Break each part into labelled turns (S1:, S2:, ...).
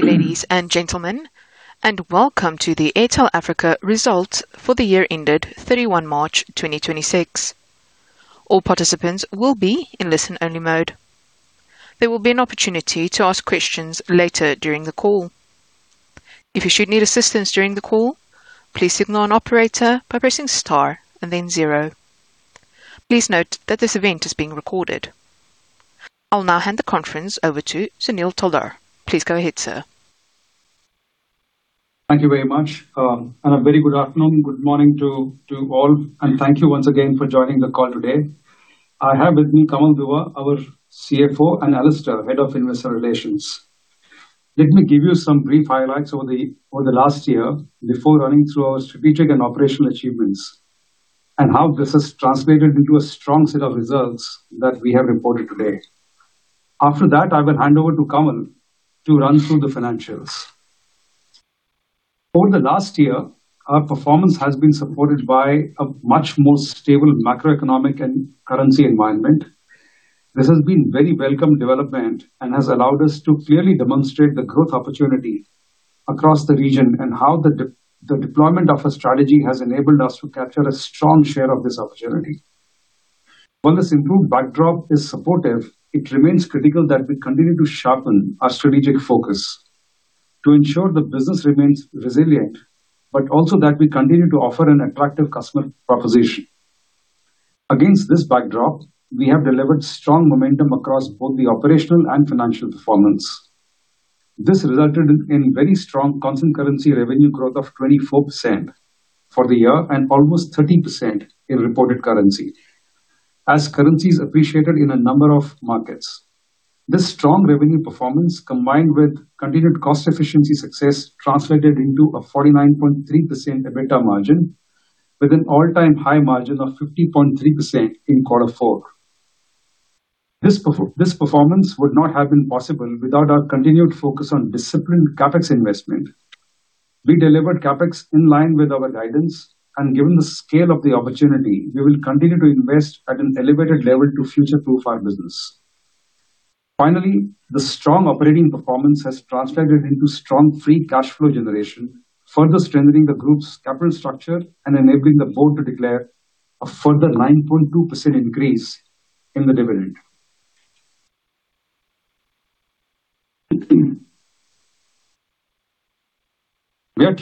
S1: Good day, ladies and gentlemen, welcome to the Airtel Africa Results for the year ended March 31, 2026. All participants will be in listen-only mode. There will be an opportunity to ask questions later during the call. If you should need assistance during the call, please signal an operator by pressing star and then zero. Please note that this event is being recorded. I'll now hand the conference over to Sunil Taldar. Please go ahead, sir.
S2: Thank you very much, and a very good afternoon, good morning to all, and thank you once again for joining the call today. I have with me Kamal Dua, our CFO, and Alastair, Head of Investor Relations. Let me give you some brief highlights over the last year before running through our strategic and operational achievements and how this has translated into a strong set of results that we have reported today. After that, I will hand over to Kamal to run through the financials. Over the last year, our performance has been supported by a much more stable macroeconomic and currency environment. This has been very welcome development and has allowed us to clearly demonstrate the growth opportunity across the region and how the deployment of a strategy has enabled us to capture a strong share of this opportunity. While this improved backdrop is supportive, it remains critical that we continue to sharpen our strategic focus to ensure the business remains resilient, but also that we continue to offer an attractive customer proposition. Against this backdrop, we have delivered strong momentum across both the operational and financial performance. This resulted in very strong constant currency revenue growth of 24% for the year and almost 30% in reported currency as currencies appreciated in a number of markets. This strong revenue performance, combined with continued cost efficiency success, translated into a 49.3% EBITDA margin with an all-time high margin of 50.3% in quarter four. This performance would not have been possible without our continued focus on disciplined CapEx investment. We delivered CapEx in line with our guidance, and given the scale of the opportunity, we will continue to invest at an elevated level to future-proof our business. Finally, the strong operating performance has translated into strong free cash flow generation, further strengthening the group's capital structure and enabling the board to declare a further 9.2% increase in the dividend. We are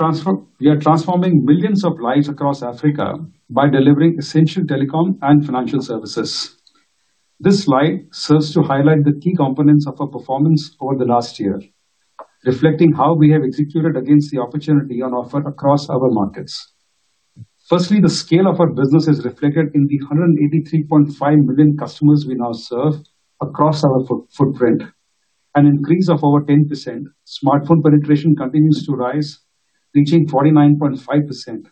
S2: transforming millions of lives across Africa by delivering essential telecom and financial services. This slide serves to highlight the key components of our performance over the last year, reflecting how we have executed against the opportunity on offer across our markets. Firstly, the scale of our business is reflected in the 183.5 million customers we now serve across our footprint, an increase of over 10%. Smartphone penetration continues to rise, reaching 49.5%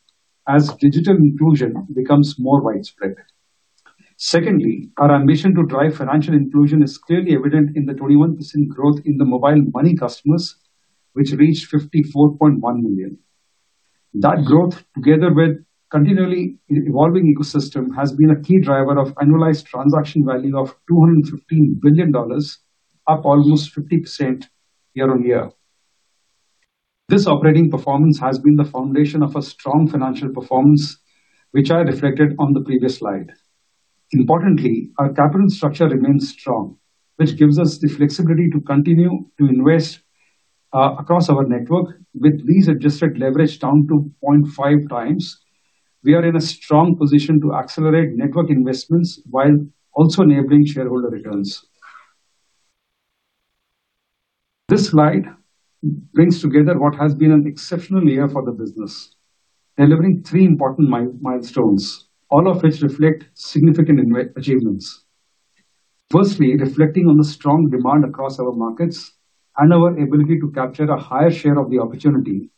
S2: as digital inclusion becomes more widespread. Our ambition to drive financial inclusion is clearly evident in the 21% growth in the mobile money customers, which reached 54.1 million. Together with continually evolving ecosystem, has been a key driver of annualized transaction value of $215 billion, up almost 50% year-on-year. This operating performance has been the foundation of a strong financial performance, which are reflected on the previous slide. Importantly, our capital structure remains strong, which gives us the flexibility to continue to invest across our network. With these adjusted leverage down to 0.5x, we are in a strong position to accelerate network investments while also enabling shareholder returns. This slide brings together what has been an exceptional year for the business, delivering three important milestones, all of which reflect significant achievements. Firstly, reflecting on the strong demand across our markets and our ability to capture a higher share of the opportunity,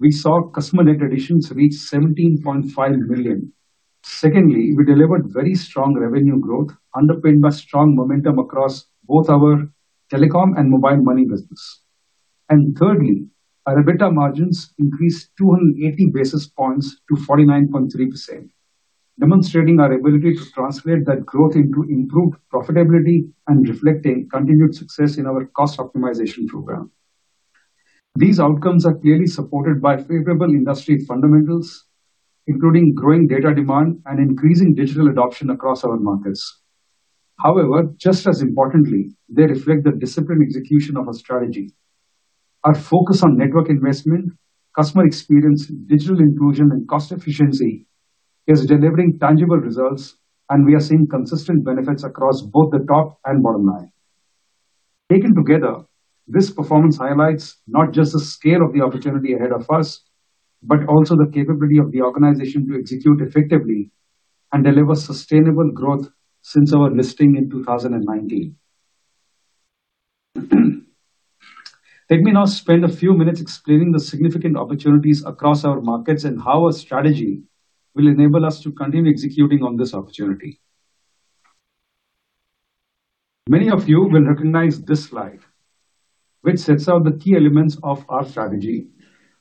S2: we saw customer net additions reach 17.5 million. Secondly, we delivered very strong revenue growth underpinned by strong momentum across both our telecom and mobile money business. Thirdly, our EBITDA margins increased 280 basis points to 49.3%, demonstrating our ability to translate that growth into improved profitability and reflecting continued success in our cost optimization program. These outcomes are clearly supported by favorable industry fundamentals, including growing data demand and increasing digital adoption across our markets. However, just as importantly, they reflect the disciplined execution of our strategy. Our focus on network investment, customer experience, digital inclusion, and cost efficiency is delivering tangible results, and we are seeing consistent benefits across both the top and bottom line. Taken together, this performance highlights not just the scale of the opportunity ahead of us, but also the capability of the organization to execute effectively and deliver sustainable growth since our listing in 2019. Let me now spend a few minutes explaining the significant opportunities across our markets and how our strategy will enable us to continue executing on this opportunity. Many of you will recognize this slide, which sets out the key elements of our strategy.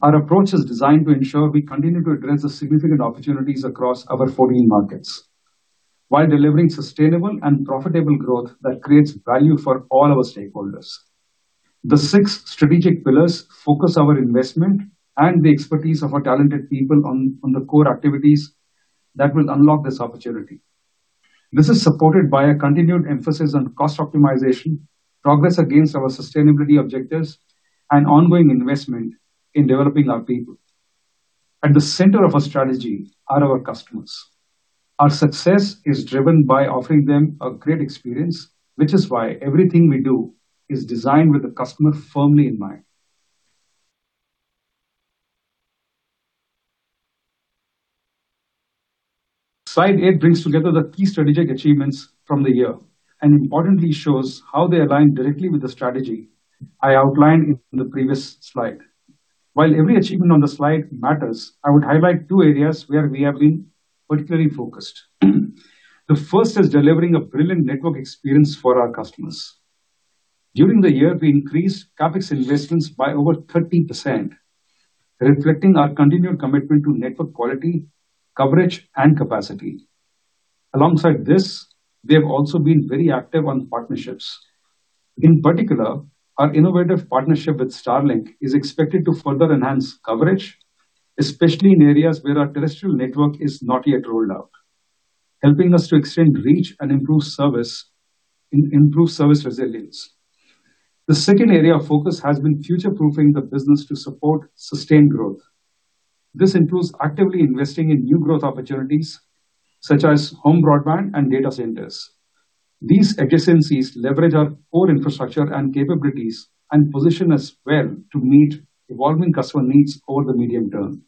S2: Our approach is designed to ensure we continue to address the significant opportunities across our 14 markets while delivering sustainable and profitable growth that creates value for all our stakeholders. The six strategic pillars focus our investment and the expertise of our talented people on the core activities that will unlock this opportunity. This is supported by a continued emphasis on cost optimization, progress against our sustainability objectives, and ongoing investment in developing our people. At the center of our strategy are our customers. Our success is driven by offering them a great experience, which is why everything we do is designed with the customer firmly in mind. Slide eight brings together the key strategic achievements from the year, and importantly shows how they align directly with the strategy I outlined in the previous slide. While every achievement on the slide matters, I would highlight two areas where we have been particularly focused. The first is delivering a brilliant network experience for our customers. During the year, we increased CapEx investments by over 13%, reflecting our continued commitment to network quality, coverage, and capacity. Alongside this, we have also been very active on partnerships. In particular, our innovative partnership with Starlink is expected to further enhance coverage, especially in areas where our terrestrial network is not yet rolled out, helping us to extend reach and improve service resilience. The second area of focus has been future-proofing the business to support sustained growth. This includes actively investing in new growth opportunities, such as home broadband and data centers. These adjacencies leverage our core infrastructure and capabilities and position us well to meet evolving customer needs over the medium term.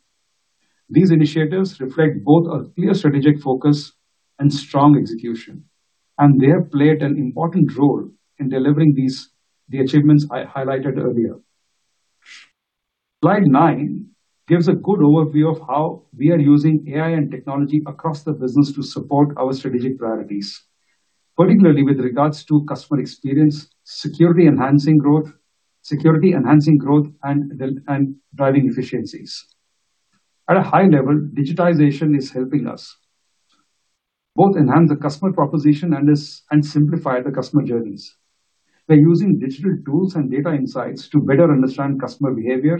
S2: These initiatives reflect both a clear strategic focus and strong execution, and they have played an important role in delivering the achievements I highlighted earlier. Slide nine gives a good overview of how we are using AI and technology across the business to support our strategic priorities, particularly with regards to customer experience, security enhancing growth, and driving efficiencies. At a high level, digitization is helping us both enhance the customer proposition and simplify the customer journeys. We're using digital tools and data insights to better understand customer behavior,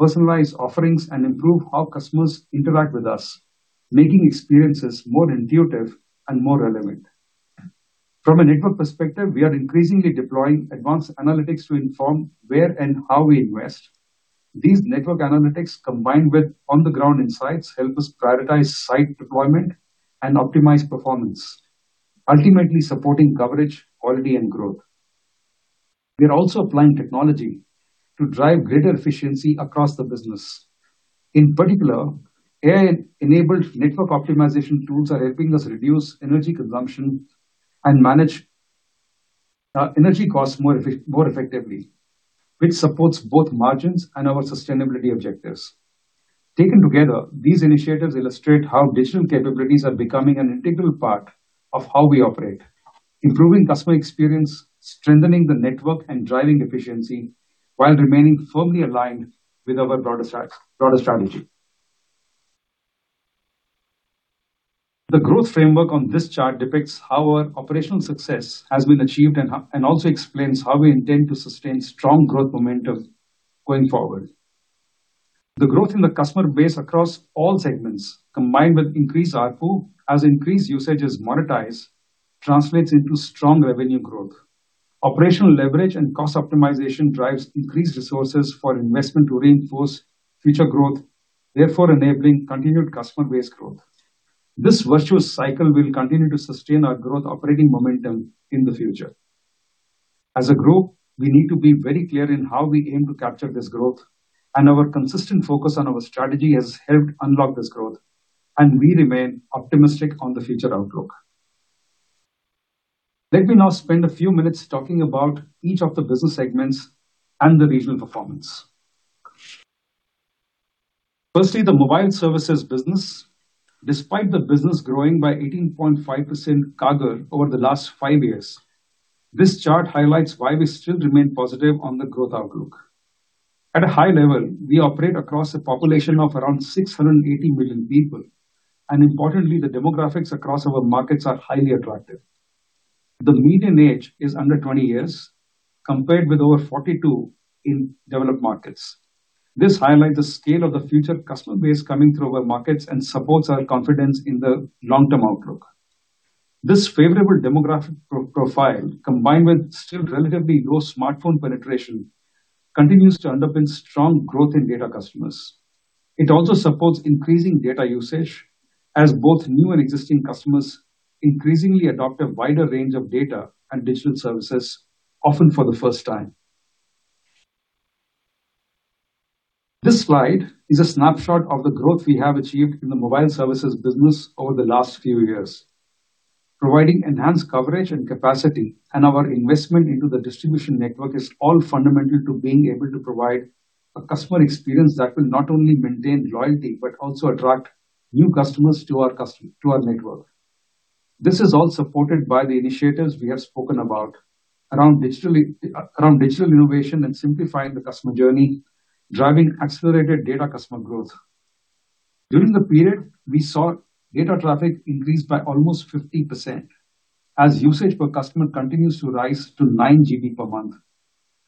S2: personalize offerings, and improve how customers interact with us, making experiences more intuitive and more relevant. From a network perspective, we are increasingly deploying advanced analytics to inform where and how we invest. These network analytics, combined with on-the-ground insights, help us prioritize site deployment and optimize performance, ultimately supporting coverage, quality, and growth. We are also applying technology to drive greater efficiency across the business. In particular, AI-enabled network optimization tools are helping us reduce energy consumption and manage energy costs more effectively, which supports both margins and our sustainability objectives. Taken together, these initiatives illustrate how digital capabilities are becoming an integral part of how we operate, improving customer experience, strengthening the network, and driving efficiency while remaining firmly aligned with our broader strategy. The growth framework on this chart depicts how our operational success has been achieved and also explains how we intend to sustain strong growth momentum going forward. The growth in the customer base across all segments, combined with increased ARPU, as increased usage is monetized, translates into strong revenue growth. Operational leverage and cost optimization drives increased resources for investment to reinforce future growth, therefore enabling continued customer base growth. This virtuous cycle will continue to sustain our growth operating momentum in the future. As a group, we need to be very clear in how we aim to capture this growth, and our consistent focus on our strategy has helped unlock this growth, and we remain optimistic on the future outlook. Let me now spend a few minutes talking about each of the business segments and the regional performance. Firstly, the mobile services business. Despite the business growing by 18.5% CAGR over the last five years, this chart highlights why we still remain positive on the growth outlook. At a high level, we operate across a population of around 680 million people, and importantly, the demographics across our markets are highly attractive. The median age is under 20 years, compared with over 42 in developed markets. This highlights the scale of the future customer base coming through our markets and supports our confidence in the long-term outlook. This favorable demographic profile, combined with still relatively low smartphone penetration, continues to underpin strong growth in data customers. It also supports increasing data usage as both new and existing customers increasingly adopt a wider range of data and digital services, often for the first time. This slide is a snapshot of the growth we have achieved in the mobile services business over the last few years. Providing enhanced coverage and capacity, and our investment into the distribution network is all fundamental to being able to provide a customer experience that will not only maintain loyalty, but also attract new customers to our network. This is all supported by the initiatives we have spoken about around digitally, around digital innovation and simplifying the customer journey, driving accelerated data customer growth. During the period, we saw data traffic increase by almost 50% as usage per customer continues to rise to 9 GB per month.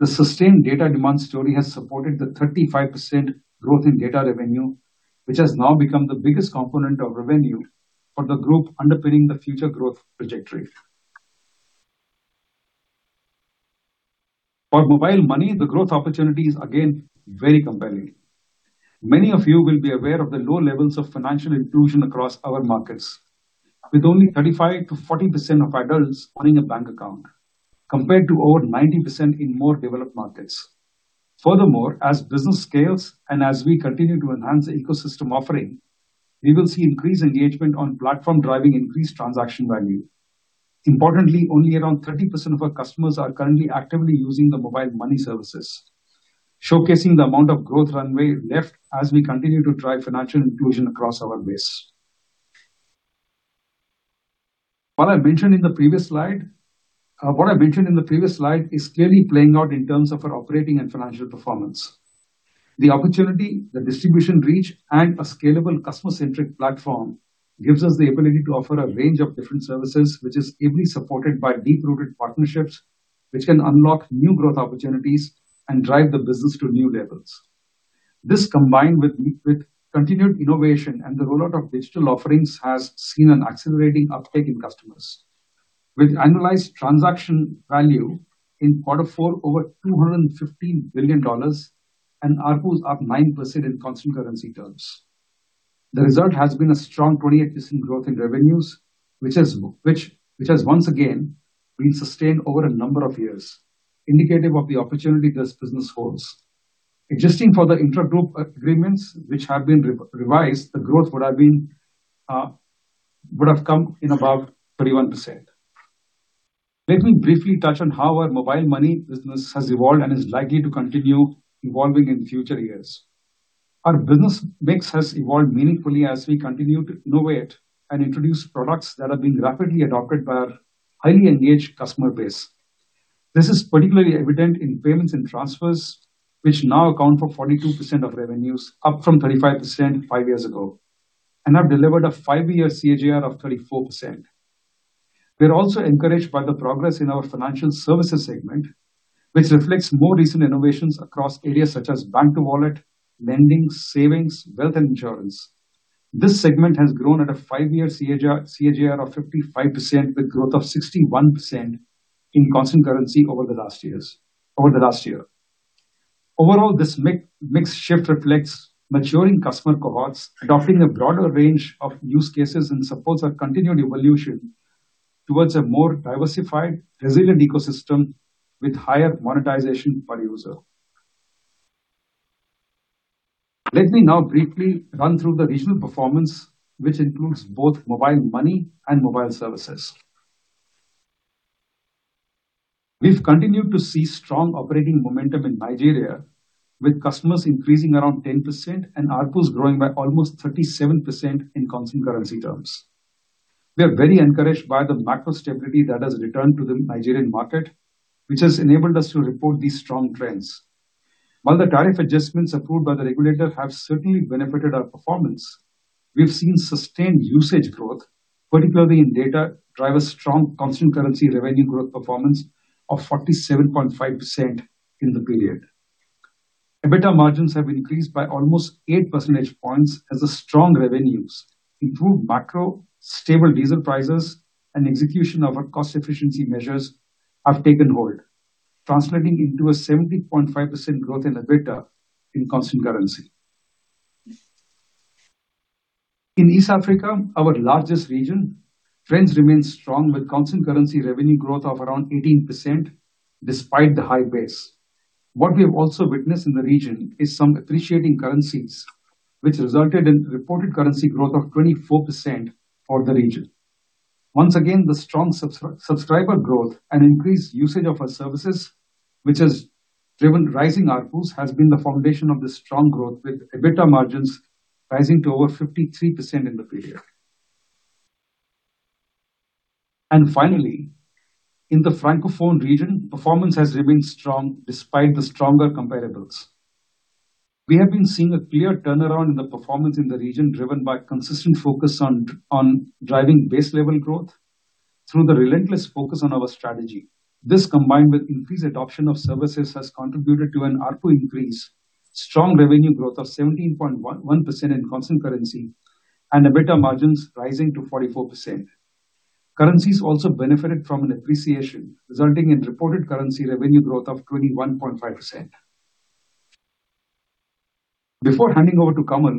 S2: The sustained data demand story has supported the 35% growth in data revenue, which has now become the biggest component of revenue for the group underpinning the future growth trajectory. For mobile money, the growth opportunity is again very compelling. Many of you will be aware of the low levels of financial inclusion across our markets, with only 35%-40% of adults owning a bank account, compared to over 90% in more developed markets. Furthermore, as business scales and as we continue to enhance the ecosystem offering, we will see increased engagement on platform driving increased transaction value. Importantly, only around 30% of our customers are currently actively using the mobile money services, showcasing the amount of growth runway left as we continue to drive financial inclusion across our base. What I mentioned in the previous slide is clearly playing out in terms of our operating and financial performance. The opportunity, the distribution reach, and a scalable customer-centric platform gives us the ability to offer a range of different services, which is ably supported by deep-rooted partnerships, which can unlock new growth opportunities and drive the business to new levels. This combined with continued innovation and the rollout of digital offerings has seen an accelerating uptake in customers. With annualized transaction value in quarter four over $215 billion and ARPU is up 9% in constant currency terms. The result has been a strong 28% growth in revenues, which has once again been sustained over a number of years, indicative of the opportunity this business holds. Adjusting for the intra-group agreements which have been revised, the growth would have come in above 31%. Let me briefly touch on how our mobile money business has evolved and is likely to continue evolving in future years. Our business mix has evolved meaningfully as we continue to innovate and introduce products that are being rapidly adopted by our highly engaged customer base. This is particularly evident in payments and transfers, which now account for 42% of revenues, up from 35% five years ago, and have delivered a five-year CAGR of 34%. We are also encouraged by the progress in our financial services segment, which reflects more recent innovations across areas such as bank-to-wallet, lending, savings, wealth, and insurance. This segment has grown at a five-year CAGR of 55%, with growth of 61% in constant currency over the last year. Overall, this mix shift reflects maturing customer cohorts adopting a broader range of use cases and supports our continued evolution toward a more diversified, resilient ecosystem with higher monetization per user. Let me now briefly run through the regional performance, which includes both mobile money and mobile services. We've continued to see strong operating momentum in Nigeria, with customers increasing around 10% and ARPUs growing by almost 37% in constant currency terms. We are very encouraged by the macro stability that has returned to the Nigerian market, which has enabled us to report these strong trends. While the tariff adjustments approved by the regulator have certainly benefited our performance, we have seen sustained usage growth, particularly in data, drive a strong constant currency revenue growth performance of 47.5% in the period. EBITDA margins have increased by almost 8 percentage points as the strong revenues, improved macro, stable diesel prices, and execution of our cost efficiency measures have taken hold, translating into a 70.5% growth in EBITDA in constant currency. In East Africa, our largest region, trends remain strong with constant currency revenue growth of around 18% despite the high base. What we have also witnessed in the region is some appreciating currencies, which resulted in reported currency growth of 24% for the region. Once again, the strong subscriber growth and increased usage of our services, which has driven rising ARPUs, has been the foundation of this strong growth, with EBITDA margins rising to over 53% in the period. Finally, in the Francophone region, performance has remained strong despite the stronger comparables. We have been seeing a clear turnaround in the performance in the region, driven by consistent focus on driving base level growth through the relentless focus on our strategy. This, combined with increased adoption of services, has contributed to an ARPU increase, strong revenue growth of 17.11% in constant currency, and EBITDA margins rising to 44%. Currencies also benefited from an appreciation, resulting in reported currency revenue growth of 21.5%. Before handing over to Kamal,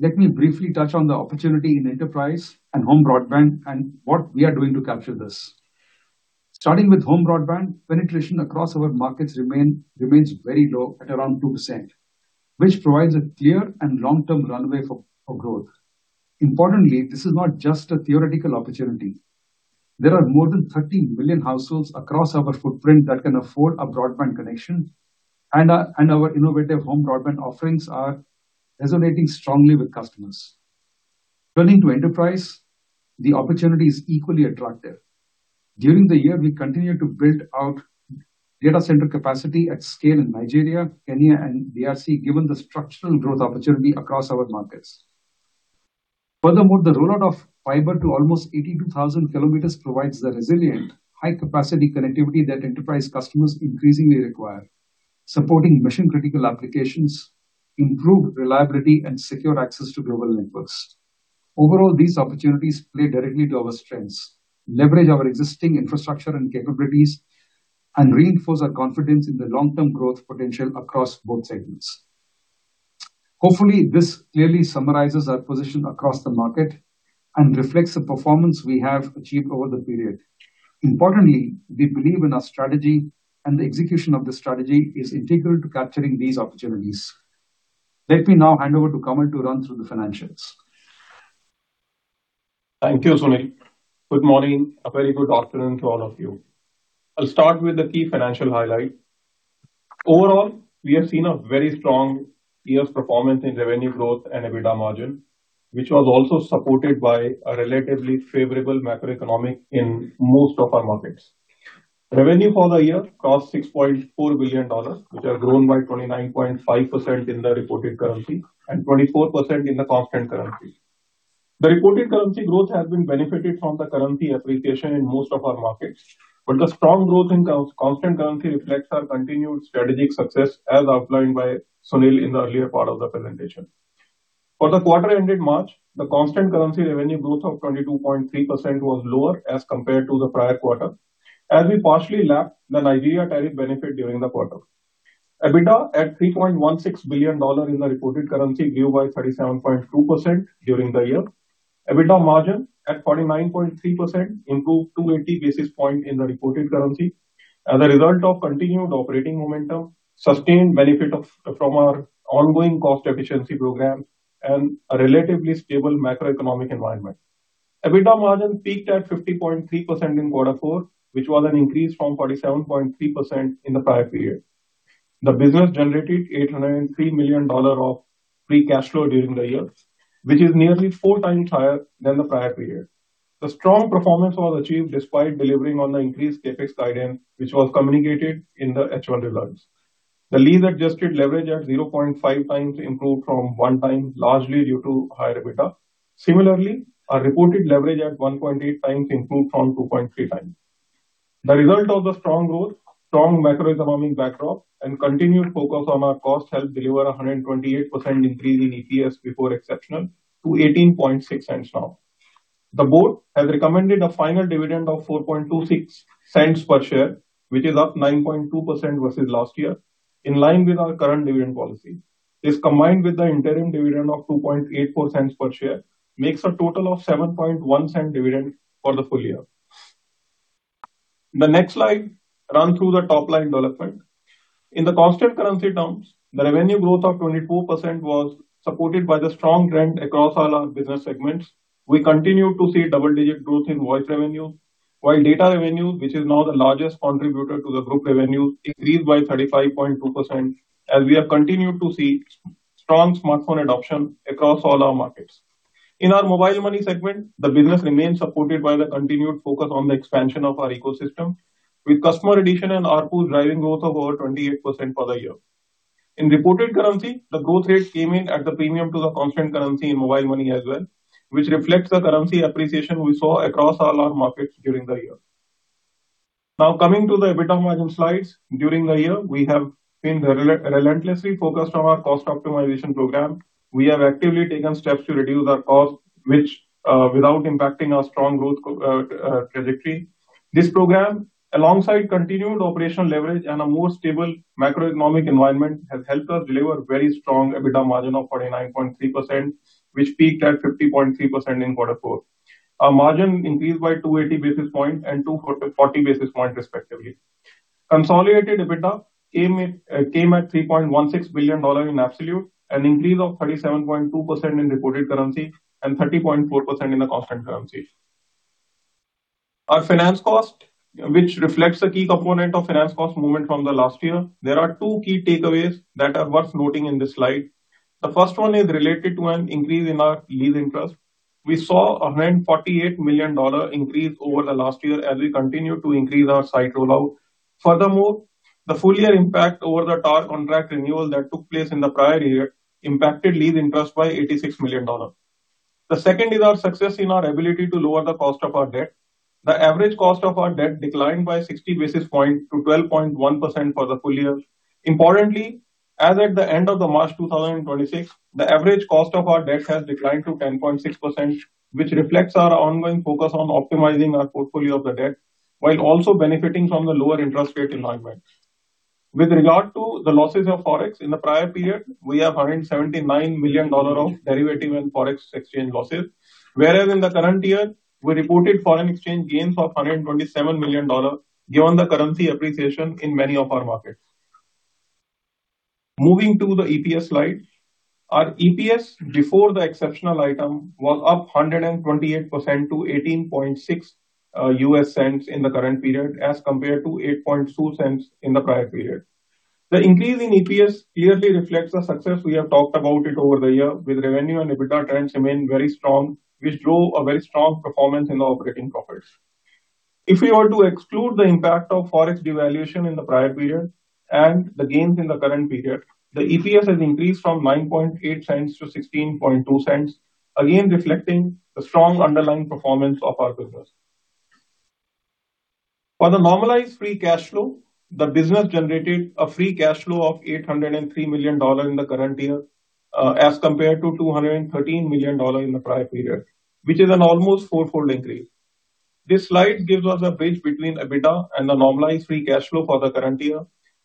S2: let me briefly touch on the opportunity in enterprise and home broadband and what we are doing to capture this. Starting with home broadband, penetration across our markets remains very low at around 2%, which provides a clear and long-term runway for growth. Importantly, this is not just a theoretical opportunity. There are more than 30 million households across our footprint that can afford a broadband connection, and our innovative home broadband offerings are resonating strongly with customers. Turning to enterprise, the opportunity is equally attractive. During the year, we continued to build out data center capacity at scale in Nigeria, Kenya, and DRC, given the structural growth opportunity across our markets. Furthermore, the rollout of fiber to almost 82,000 km provides the resilient high-capacity connectivity that enterprise customers increasingly require, supporting mission-critical applications, improved reliability, and secure access to global networks. Overall, these opportunities play directly to our strengths, leverage our existing infrastructure and capabilities, and reinforce our confidence in the long-term growth potential across both segments. Hopefully, this clearly summarizes our position across the market and reflects the performance we have achieved over the period. Importantly, we believe in our strategy, and the execution of the strategy is integral to capturing these opportunities. Let me now hand over to Kamal to run through the financials.
S3: Thank you, Sunil. Good morning, a very good afternoon to all of you. I'll start with the key financial highlight. Overall, we have seen a very strong year's performance in revenue growth and EBITDA margin, which was also supported by a relatively favorable macroeconomic in most of our markets. Revenue for the year crossed $6.4 billion, which have grown by 29.5% in the reported currency and 24% in the constant currency. The reported currency growth has been benefited from the currency appreciation in most of our markets, but the strong growth in constant currency reflects our continued strategic success as outlined by Sunil in the earlier part of the presentation. For the quarter ended March, the constant currency revenue growth of 22.3% was lower as compared to the prior quarter, as we partially lapped the Nigeria tariff benefit during the quarter. EBITDA at $3.16 billion in the reported currency grew by 37.2% during the year. EBITDA margin at 49.3% improved 280 basis point in the reported currency as a result of continued operating momentum, sustained benefit of, from our ongoing cost efficiency program, and a relatively stable macroeconomic environment. EBITDA margin peaked at 50.3% in quarter four, which was an increase from 47.3% in the prior period. The business generated $803 million of free cash flow during the year, which is nearly four times higher than the prior period. The strong performance was achieved despite delivering on the increased CapEx guidance, which was communicated in the H1 results. The lease-adjusted leverage at 0.5 times improved from one time, largely due to higher EBITDA. Similarly, our reported leverage at 1.8 times improved from 2.3 times. The result of the strong growth, strong macroeconomic backdrop, and continued focus on our cost helped deliver a 128% increase in EPS before exceptional to $0.186 now. The board has recommended a final dividend of $0.0426 per share, which is up 9.2% versus last year, in line with our current dividend policy. This, combined with the interim dividend of $0.0284 per share, makes a total of $0.071 cent dividend for the full year. The next slide run through the top-line development. In the constant currency terms, the revenue growth of 22% was supported by the strong trend across all our business segments. We continue to see double-digit growth in voice revenue, while data revenue, which is now the largest contributor to the group revenue, increased by 35.2% as we have continued to see strong smartphone adoption across all our markets. In our mobile money segment, the business remains supported by the continued focus on the expansion of our ecosystem, with customer addition and ARPU driving growth of over 28% for the year. In reported currency, the growth rate came in at a premium to the constant currency in mobile money as well, which reflects the currency appreciation we saw across all our markets during the year. Now, coming to the EBITDA margin slides. During the year, we have been relentlessly focused on our cost optimization program. We have actively taken steps to reduce our cost, which, without impacting our strong growth, trajectory. This program, alongside continued operational leverage and a more stable macroeconomic environment, has helped us deliver very strong EBITDA margin of 49.3%, which peaked at 50.3% in quarter four. Our margin increased by 280 basis points and 240 basis points respectively. Consolidated EBITDA came at $3.16 billion in absolute, an increase of 37.2% in reported currency and 30.4% in the constant currency. Our finance cost, which reflects the key component of finance cost movement from the last year. There are two key takeaways that are worth noting in this slide. The first one is related to an increase in our lease interest. We saw a $148 million increase over the last year as we continued to increase our site rollout. Furthermore, the full year impact over the tower contract renewal that took place in the prior year impacted lease interest by $86 million. The second is our success in our ability to lower the cost of our debt. The average cost of our debt declined by 60 basis point to 12.1% for the full year. Importantly, as at the end of the March 2026, the average cost of our debt has declined to 10.6%, which reflects our ongoing focus on optimizing our portfolio of the debt, while also benefiting from the lower interest rate environment. With regard to the losses of forex in the prior period, we have $179 million of derivative and forex exchange losses. Whereas in the current year, we reported foreign exchange gains of $127 million, given the currency appreciation in many of our markets. Moving to the EPS slide. Our EPS before the exceptional item was up 128% to $0.186 in the current period as compared to $0.082 in the prior period. The increase in EPS clearly reflects the success we have talked about it over the year, with revenue and EBITDA trends remain very strong, which drove a very strong performance in our operating profits. If we were to exclude the impact of forex devaluation in the prior period and the gains in the current period, the EPS has increased from $0.098 to $0.162, again, reflecting the strong underlying performance of our business. For the normalized free cash flow, the business generated a free cash flow of $803 million in the current year, as compared to $213 million in the prior period, which is an almost four-fold increase. This slide gives us a bridge between EBITDA and the normalized free cash flow for the current year.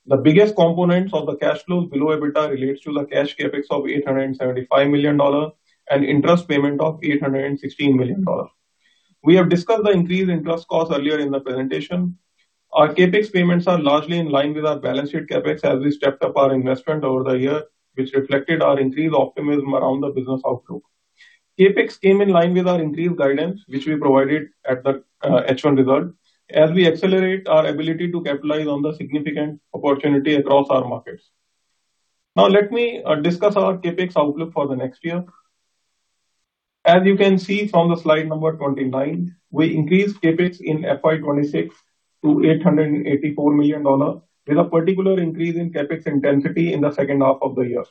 S3: The biggest components of the cash flow below EBITDA relates to the cash CapEx of $875 million and interest payment of $816 million. We have discussed the increase interest costs earlier in the presentation. Our CapEx payments are largely in line with our balance sheet CapEx as we stepped up our investment over the year, which reflected our increased optimism around the business outlook. CapEx came in line with our increased guidance, which we provided at the H1 result as we accelerate our ability to capitalize on the significant opportunity across our markets. Now let me discuss our CapEx outlook for the next year. As you can see from the slide number 29, we increased CapEx in FY 2026 to $884 million, with a particular increase in CapEx intensity in the second half of the year.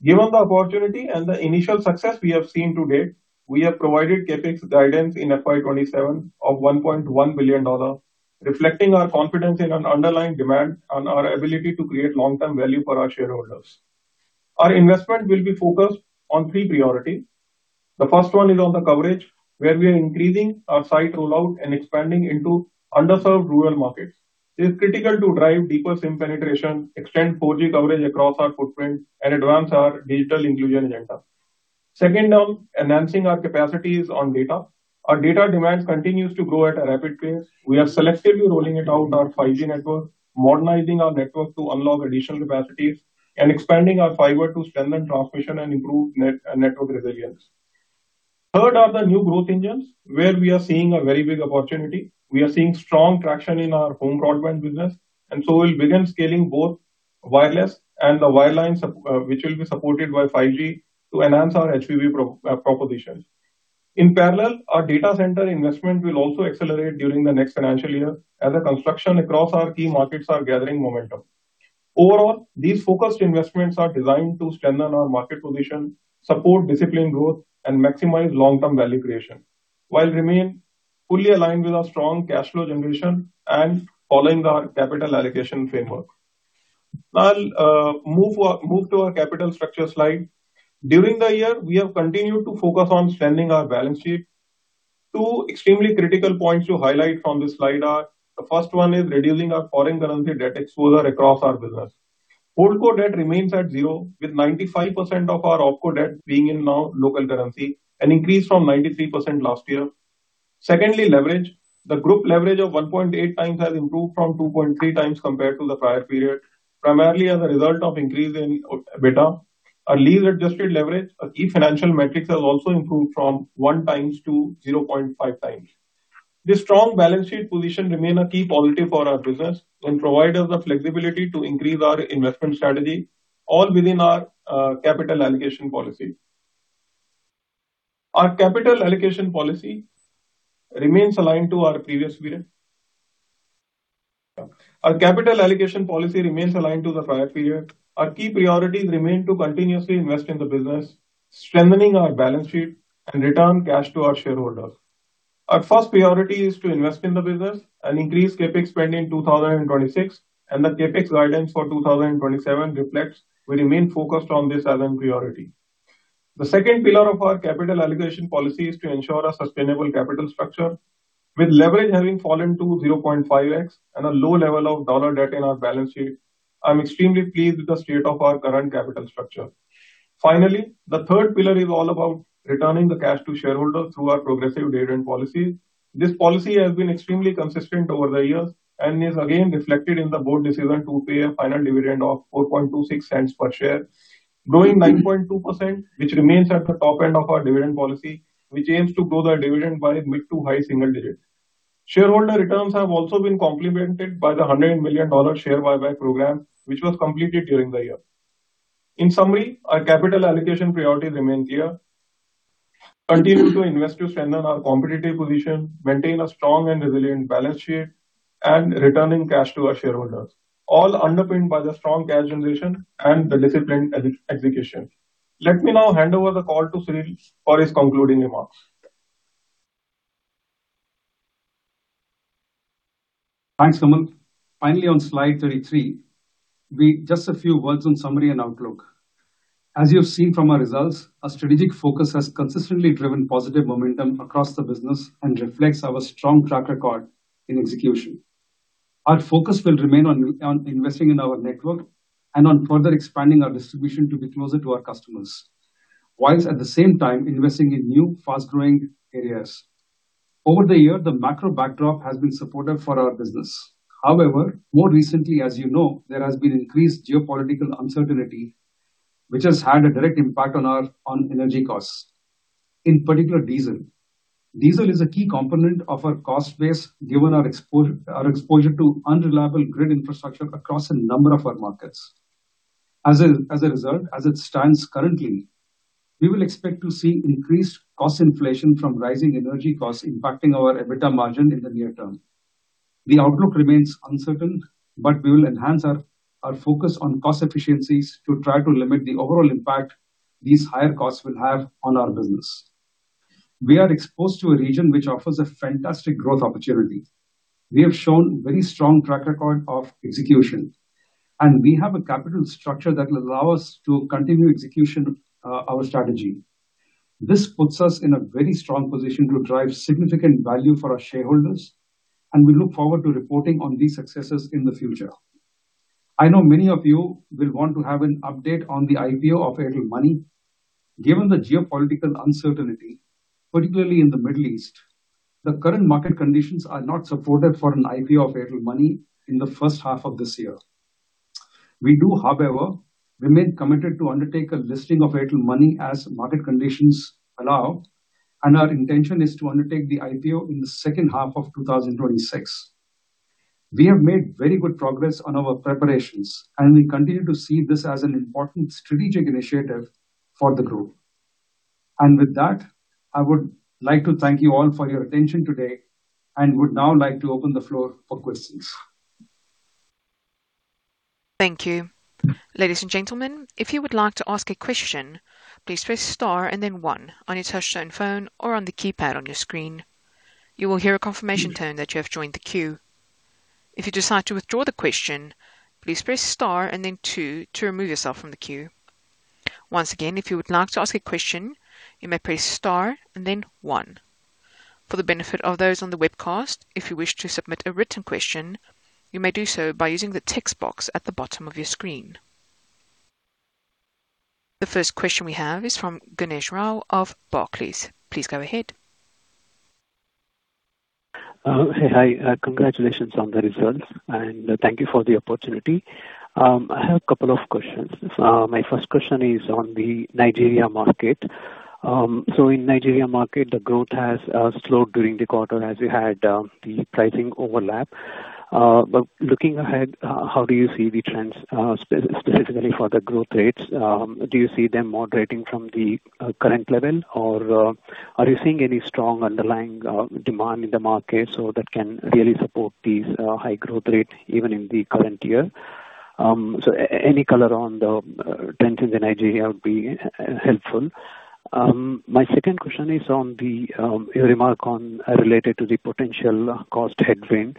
S3: Given the opportunity and the initial success we have seen to date, we have provided CapEx guidance in FY 2027 of $1.1 billion, reflecting our confidence in an underlying demand on our ability to create long-term value for our shareholders. Our investment will be focused on three priorities. The first one is on the coverage, where we are increasing our site rollout and expanding into underserved rural markets. It is critical to drive deeper SIM penetration, extend 4G coverage across our footprint, and advance our digital inclusion agenda. Second arm, enhancing our capacities on data. Our data demand continues to grow at a rapid pace. We are selectively rolling it out our 5G network, modernizing our network to unlock additional capacities, and expanding our fiber to strengthen transmission and improve net network resilience. Third are the new growth engines, where we are seeing a very big opportunity. We are seeing strong traction in our home broadband business, and so we'll begin scaling both wireless and the wireline which will be supported by 5G to enhance our HBB proposition. In parallel, our data center investment will also accelerate during the next financial year as the construction across our key markets are gathering momentum. Overall, these focused investments are designed to strengthen our market position, support disciplined growth, and maximize long-term value creation, while remain fully aligned with our strong cash flow generation and following our capital allocation framework. Now I'll move to our capital structure slide. During the year, we have continued to focus on strengthening our balance sheet. Two extremely critical points to highlight from this slide are, the first one is reducing our foreign currency debt exposure across our business. HoldCo debt remains at zero, with 95% of our OpCo debt being in now local currency, an increase from 93% last year. Secondly, leverage. The group leverage of 1.8 times has improved from 2.3 times compared to the prior period, primarily as a result of increase in EBITDA. Our lease-adjusted leverage, a key financial metric, has also improved from one times to 0.5 times. This strong balance sheet position remain a key positive for our business and provide us the flexibility to increase our investment strategy, all within our capital allocation policy. Our capital allocation policy remains aligned to our previous period. Our capital allocation policy remains aligned to the prior period. Our key priorities remain to continuously invest in the business, strengthening our balance sheet, and return cash to our shareholders. Our first priority is to invest in the business and increase CapEx spend in 2026, and the CapEx guidance for 2027 reflects we remain focused on this as a priority. The second pillar of our capital allocation policy is to ensure a sustainable capital structure. With leverage having fallen to 0.5x and a low level of dollar debt in our balance sheet, I'm extremely pleased with the state of our current capital structure. Finally, the third pillar is all about returning the cash to shareholders through our progressive dividend policy. This policy has been extremely consistent over the years and is again reflected in the board decision to pay a final dividend of $0.0426 per share, growing 9.2%, which remains at the top end of our dividend policy, which aims to grow the dividend by mid to high single digits. Shareholder returns have also been complemented by the $100 million share buyback program, which was completed during the year. In summary, our capital allocation priorities remain clear. Continue to invest to strengthen our competitive position, maintain a strong and resilient balance sheet, and returning cash to our shareholders, all underpinned by the strong cash generation and the disciplined execution. Let me now hand over the call to Sunil for his concluding remarks.
S2: Thanks, Kamal. Finally, on slide 33, just a few words on summary and outlook. As you have seen from our results, our strategic focus has consistently driven positive momentum across the business and reflects our strong track record in execution. Our focus will remain on investing in our network and on further expanding our distribution to be closer to our customers, whilst at the same time investing in new fast-growing areas. Over the year, the macro backdrop has been supportive for our business. However, more recently, as you know, there has been increased geopolitical uncertainty, which has had a direct impact on energy costs. In particular, diesel. Diesel is a key component of our cost base given our exposure to unreliable grid infrastructure across a number of our markets. As a result, as it stands currently, we will expect to see increased cost inflation from rising energy costs impacting our EBITDA margin in the near term. The outlook remains uncertain, but we will enhance our focus on cost efficiencies to try to limit the overall impact these higher costs will have on our business. We are exposed to a region which offers a fantastic growth opportunity. We have shown very strong track record of execution, and we have a capital structure that will allow us to continue execution, our strategy. This puts us in a very strong position to drive significant value for our shareholders, and we look forward to reporting on these successes in the future. I know many of you will want to have an update on the IPO of Airtel Money. Given the geopolitical uncertainty, particularly in the Middle East, the current market conditions are not supportive for an IPO of Airtel Money in the first half of this year. We do, however, remain committed to undertake a listing of Airtel Money as market conditions allow, and our intention is to undertake the IPO in the second half of 2026. We have made very good progress on our preparations, and we continue to see this as an important strategic initiative for the group. With that, I would like to thank you all for your attention today and would now like to open the floor for questions.
S1: Thank you. Ladies and gentlemen, if you would like to ask a question, please press star and then one on your touchtone phone or on the keypad on your screen. You will hear a confirmation tone that you have joined the queue. If you decide to withdraw the question, please press star and then two to remove yourself from the queue. Once again, if you would like to ask a question, you may press star and then one. For the benefit of those on the webcast, if you wish to submit a written question, you may do so by using the text box at the bottom of your screen. The first question we have is from [Ganesh Rao] of Barclays. Please go ahead.
S4: Hey. Hi. Congratulations on the results, and thank you for the opportunity. I have a couple of questions. My first question is on the Nigeria market. In Nigeria market, the growth has slowed during the quarter as you had the pricing overlap. Looking ahead, how do you see the trends specifically for the growth rates? Do you see them moderating from the current level? Are you seeing any strong underlying demand in the market so that can really support these high growth rate even in the current year? Any color on the trends in Nigeria would be helpful. My second question is on your remark on related to the potential cost headwind.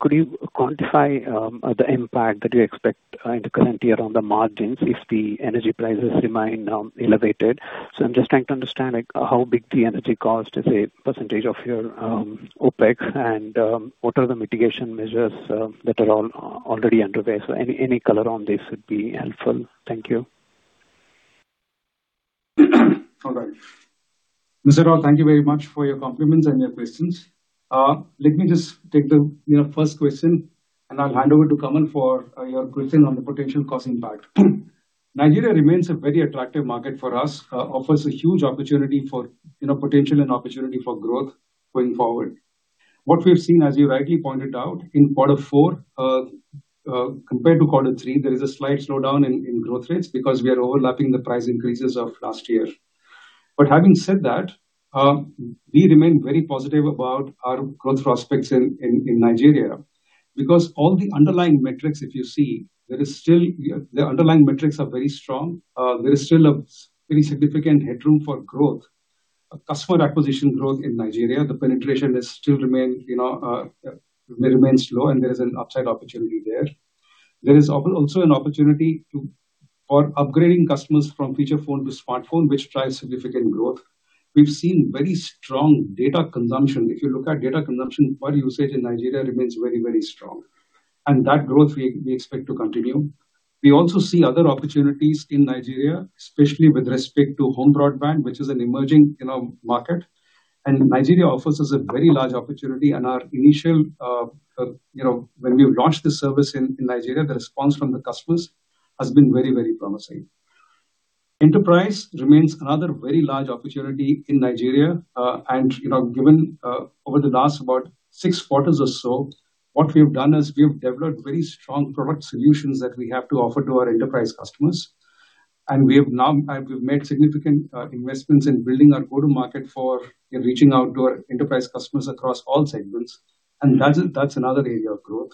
S4: Could you quantify the impact that you expect in the current year on the margins if the energy prices remain elevated? I'm just trying to understand, like, how big the energy cost as a percentage of your OpEx and what are the mitigation measures that are already underway. Any color on this would be helpful. Thank you.
S2: All right. Mr. [Rao], thank you very much for your compliments and your questions. Let me just take the, you know, first question, and I'll hand over to Kamal for your question on the potential cost impact. Nigeria remains a very attractive market for us, offers a huge opportunity for, you know, potential and opportunity for growth going forward. What we've seen, as you rightly pointed out, in quarter four compared to quarter three, there is a slight slowdown in growth rates because we are overlapping the price increases of last year. Having said that, we remain very positive about our growth prospects in Nigeria because all the underlying metrics, if you see, there is still the underlying metrics are very strong. There is still a very significant headroom for growth. Customer acquisition growth in Nigeria, the penetration is still remain, you know, remains low, and there is an upside opportunity there. There is also an opportunity for upgrading customers from feature phone to smartphone, which drives significant growth. We've seen very strong data consumption. If you look at data consumption, phone usage in Nigeria remains very, very strong, and that growth we expect to continue. We also see other opportunities in Nigeria, especially with respect to home broadband, which is an emerging, you know, market. Nigeria offers us a very large opportunity, and our initial, you know, when we launched this service in Nigeria, the response from the customers has been very, very promising. Enterprise remains another very large opportunity in Nigeria. you know, given over the last about six quarters or so, what we've done is we've developed very strong product solutions that we have to offer to our enterprise customers. We have now, and we've made significant investments in building our go-to-market for, you know, reaching out to our enterprise customers across all segments, and that's another area of growth.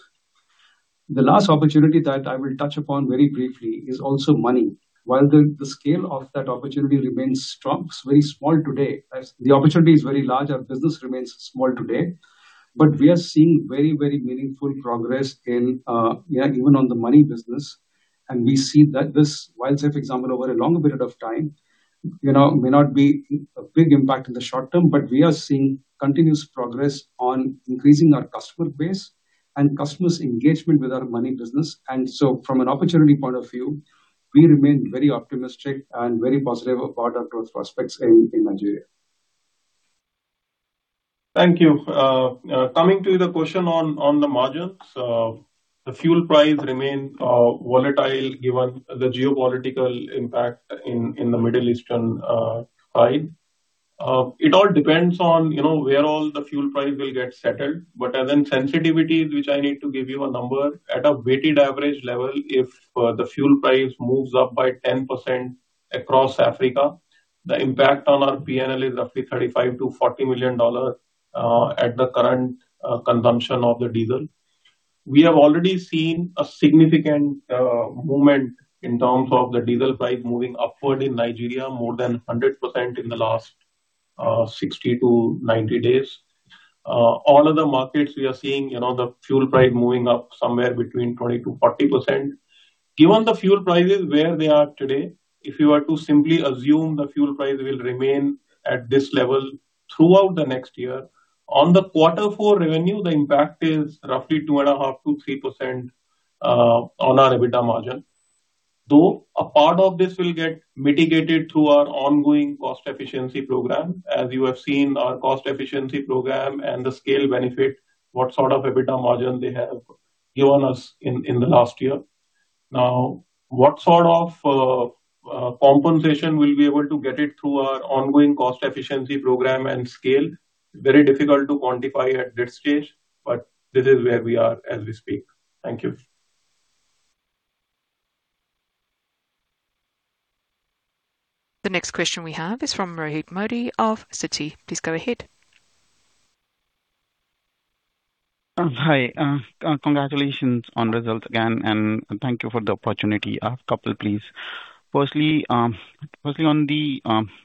S2: The last opportunity that I will touch upon very briefly is also money. While the scale of that opportunity remains strong, it's very small today. As the opportunity is very large, our business remains small today. We are seeing very, very meaningful progress in, yeah, even on the money business, and we see that this, while say for example over a longer period of time, you know, may not be a big impact in the short term, but we are seeing continuous progress on increasing our customer base and customers' engagement with our money business. From an opportunity point of view, we remain very optimistic and very positive about our growth prospects in Nigeria.
S3: Thank you. Coming to the question on the margins. The fuel price remain volatile given the geopolitical impact in the Middle Eastern side. It all depends on, you know, where all the fuel price will get settled. As in sensitivities, which I need to give you a number, at a weighted average level, if the fuel price moves up by 10% across Africa, the impact on our P&L is roughly $35 million-$40 million at the current consumption of the diesel. We have already seen a significant movement in terms of the diesel price moving upward in Nigeria more than 100% in the last 60-90 days. All other markets we are seeing, you know, the fuel price moving up somewhere between 20%-40%. Given the fuel prices where they are today, if you are to simply assume the fuel price will remain at this level throughout the next year, on the quarter four revenue, the impact is roughly 2.5%-3% on our EBITDA margin. Though a part of this will get mitigated through our ongoing cost efficiency program. As you have seen our cost efficiency program and the scale benefit, what sort of EBITDA margin they have given us in the last year. Now, what sort of compensation we'll be able to get it through our ongoing cost efficiency program and scale, very difficult to quantify at this stage, but this is where we are as we speak. Thank you.
S1: The next question we have is from Rohit Modi of Citi. Please go ahead.
S5: Hi. Congratulations on results again, and thank you for the opportunity. A couple, please. Firstly, on the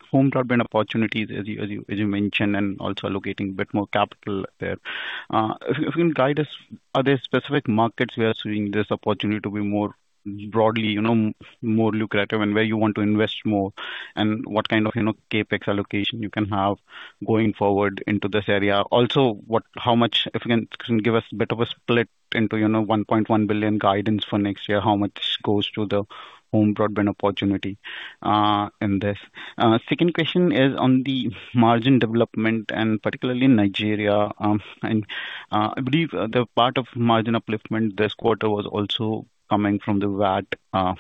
S5: home broadband opportunities as you mentioned, and also allocating a bit more capital there. If you can guide us, are there specific markets we are seeing this opportunity to be more broadly, you know, more lucrative and where you want to invest more? What kind of, you know, CapEx allocation you can have going forward into this area? Also, how much, if you can give us a bit of a split into, you know, $1.1 billion guidance for next year, how much goes to the home broadband opportunity, in this? Second question is on the margin development, and particularly in Nigeria. I believe the part of margin upliftment this quarter was also coming from the VAT,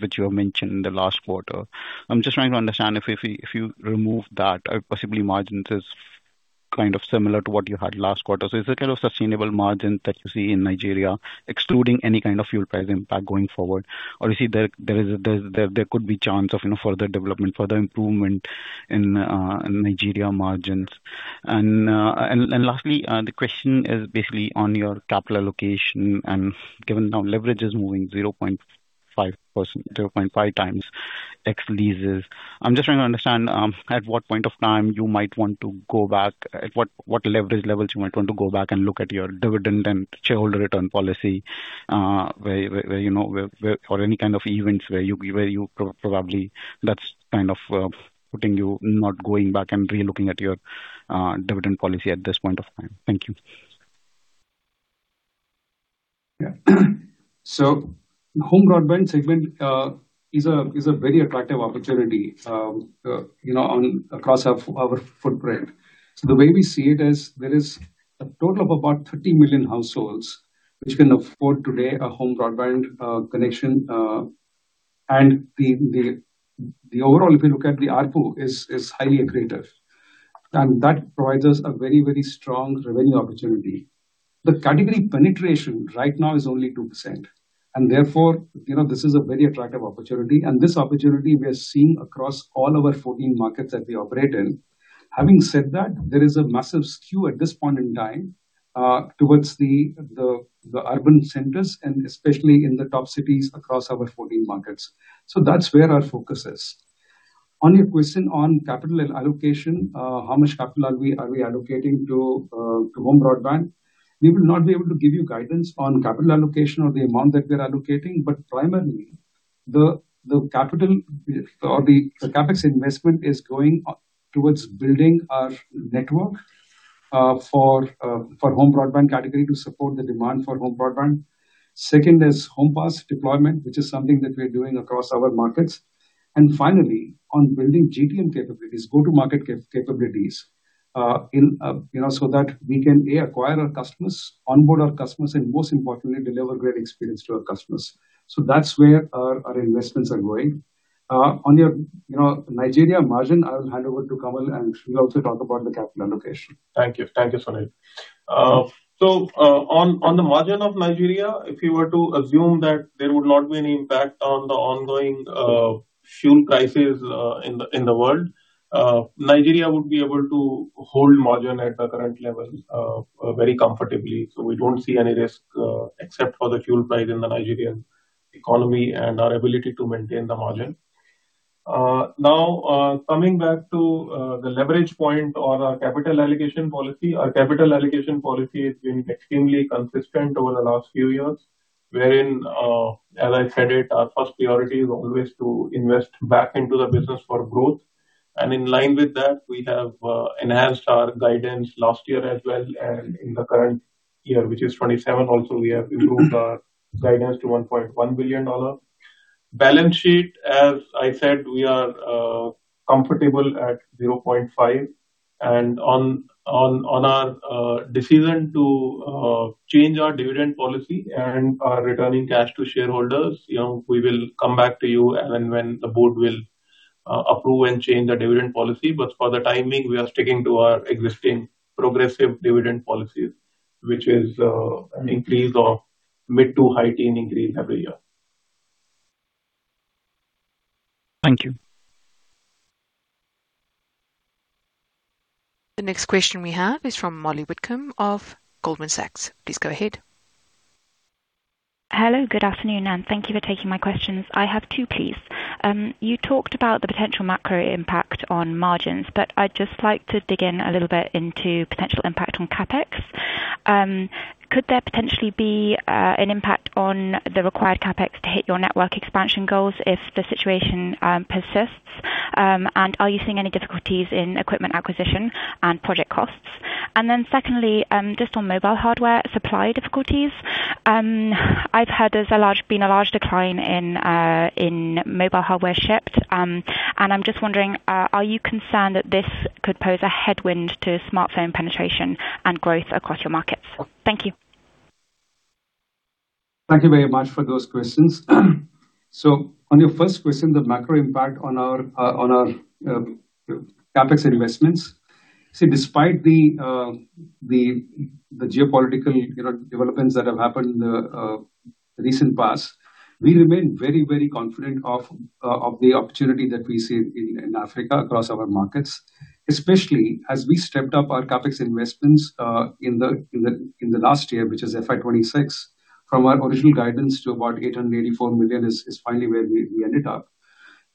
S5: which you have mentioned in the last quarter. I'm just trying to understand if you remove that, possibly margins is kind of similar to what you had last quarter. Is there kind of sustainable margin that you see in Nigeria excluding any kind of fuel price impact going forward? You see there is a chance of, you know, further development, further improvement in Nigeria margins. Lastly, the question is basically on your capital allocation, and given now leverage is moving 0.5%, 0.5 times tax leases. I'm just trying to understand at what point of time you might want to go back. At what leverage levels you might want to go back and look at your dividend and shareholder return policy, where you know where any kind of events where you probably that's kind of putting you not going back and re-looking at your dividend policy at this point of time. Thank you.
S2: Home broadband segment is a very attractive opportunity, you know, on across our footprint. The way we see it is there is a total of about 30 million households which can afford today a home broadband connection. The overall, if you look at the ARPU is highly accretive, and that provides us a very, very strong revenue opportunity. The category penetration right now is only 2%, and therefore, you know, this is a very attractive opportunity. This opportunity we are seeing across all our 14 markets that we operate in. Having said that, there is a massive skew at this point in time towards the urban centers and especially in the top cities across our 14 markets. That's where our focus is. On your question on capital allocation, how much capital are we allocating to home broadband? We will not be able to give you guidance on capital allocation or the amount that we are allocating. Primarily the capital or the CapEx investment is going towards building our network for home broadband category to support the demand for home broadband. Second is home pass deployment, which is something that we're doing across our markets. Finally, on building GTM capabilities, go-to-market capabilities, in, you know, so that we can, A, acquire our customers, onboard our customers, and most importantly, deliver great experience to our customers. That's where our investments are going. On your, you know, Nigeria margin, I'll hand over to Kamal, and he'll also talk about the capital allocation.
S3: Thank you. Thank you, Sunil. On the margin of Nigeria, if you were to assume that there would not be any impact on the ongoing fuel prices in the world, Nigeria would be able to hold margin at the current level very comfortably. We don't see any risk except for the fuel price in the Nigerian economy and our ability to maintain the margin. Now coming back to the leverage point on our capital allocation policy. Our capital allocation policy has been extremely consistent over the last few years. Wherein as I said it our first priority is always to invest back into the business for growth. In line with that we have enhanced our guidance last year as well. In the current year, which is 2027 also, we have improved our guidance to $1.1 billion. Balance sheet, as I said, we are comfortable at 0.5. On our decision to change our dividend policy and are returning cash to shareholders, you know, we will come back to you and when the board will approve and change the dividend policy. For the time being, we are sticking to our existing progressive dividend policies, which is an increase of mid to high teen increase every year.
S5: Thank you.
S1: The next question we have is from [Molly Whitcomb] of Goldman Sachs. Please go ahead.
S6: Hello. Good afternoon, and thank you for taking my questions. I have two, please. You talked about the potential macro impact on margins, but I'd just like to dig in a little bit into potential impact on CapEx. Could there potentially be an impact on the required CapEx to hit your network expansion goals if the situation persists? Are you seeing any difficulties in equipment acquisition and project costs? Secondly, just on mobile hardware supply difficulties. I've heard there's been a large decline in mobile hardware chips. I'm just wondering, are you concerned that this could pose a headwind to smartphone penetration and growth across your markets? Thank you.
S2: Thank you very much for those questions. On your first question, the macro impact on our CapEx investments. Despite the geopolitical, you know, developments that have happened in the recent past, we remain very, very confident of the opportunity that we see in Africa across our markets. Especially as we stepped up our CapEx investments in the last year, which is FY 2026, from our original guidance to about $884 million is finally where we ended up.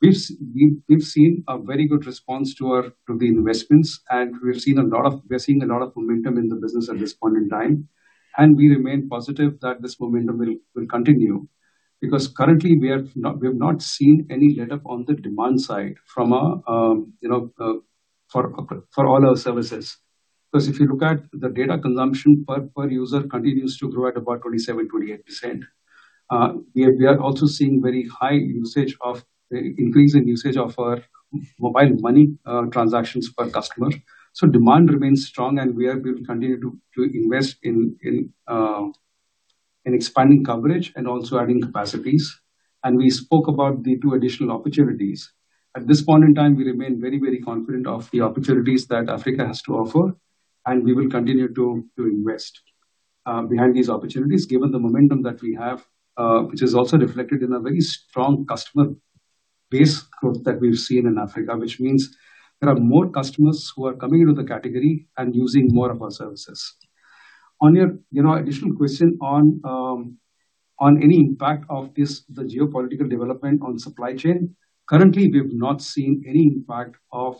S2: We've seen a very good response to the investments, and we're seeing a lot of momentum in the business at this point in time. We remain positive that this momentum will continue. Currently we have not seen any letup on the demand side from our, you know, for all our services. If you look at the data consumption per user continues to grow at about 27%-28%. We are also seeing very high usage of increase in usage of our mobile money transactions per customer. Demand remains strong, and we will continue to invest in expanding coverage and also adding capacities. We spoke about the two additional opportunities. At this point in time, we remain very confident of the opportunities that Africa has to offer, and we will continue to invest behind these opportunities, given the momentum that we have, which is also reflected in a very strong customer base growth that we've seen in Africa. Which means there are more customers who are coming into the category and using more of our services. On your, you know, additional question on any impact of this, the geopolitical development on supply chain. Currently, we've not seen any impact on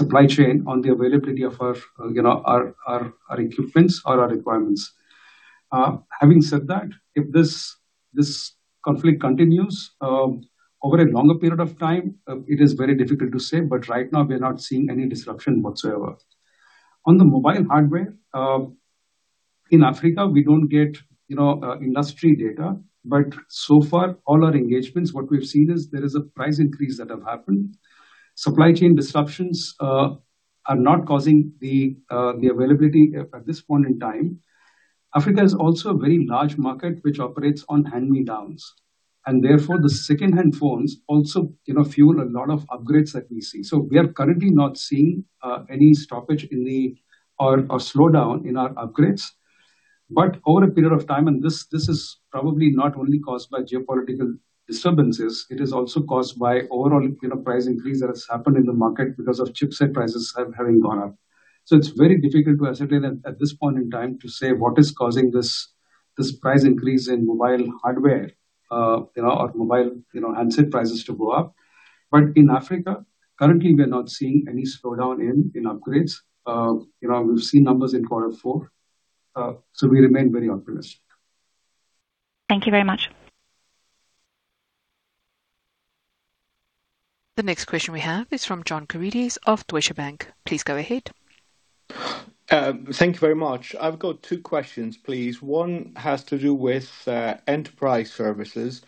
S2: supply chain on the availability of our, you know, equipment or our requirements. Having said that, if this conflict continues, over a longer period of time, it is very difficult to say, but right now we're not seeing any disruption whatsoever. On the mobile hardware, in Africa, we don't get, you know, industry data. Far, all our engagements, what we've seen is there is a price increase that have happened. Supply chain disruptions, are not causing the availability at this point in time. Africa is also a very large market which operates on hand-me-downs, and therefore the secondhand phones also, you know, fuel a lot of upgrades that we see. We are currently not seeing any stoppage or slowdown in our upgrades. Over a period of time, and this is probably not only caused by geopolitical disturbances, it is also caused by overall, you know, price increase that has happened in the market because of chipset prices having gone up. It's very difficult to ascertain at this point in time to say what is causing this price increase in mobile hardware, you know, or mobile, you know, handset prices to go up. In Africa, currently, we are not seeing any slowdown in upgrades. You know, we'll see numbers in quarter four. We remain very optimistic.
S6: Thank you very much.
S1: The next question we have is from John Karidis of Deutsche Bank. Please go ahead.
S7: Thank you very much. I've got two questions, please. One has to do with enterprise services.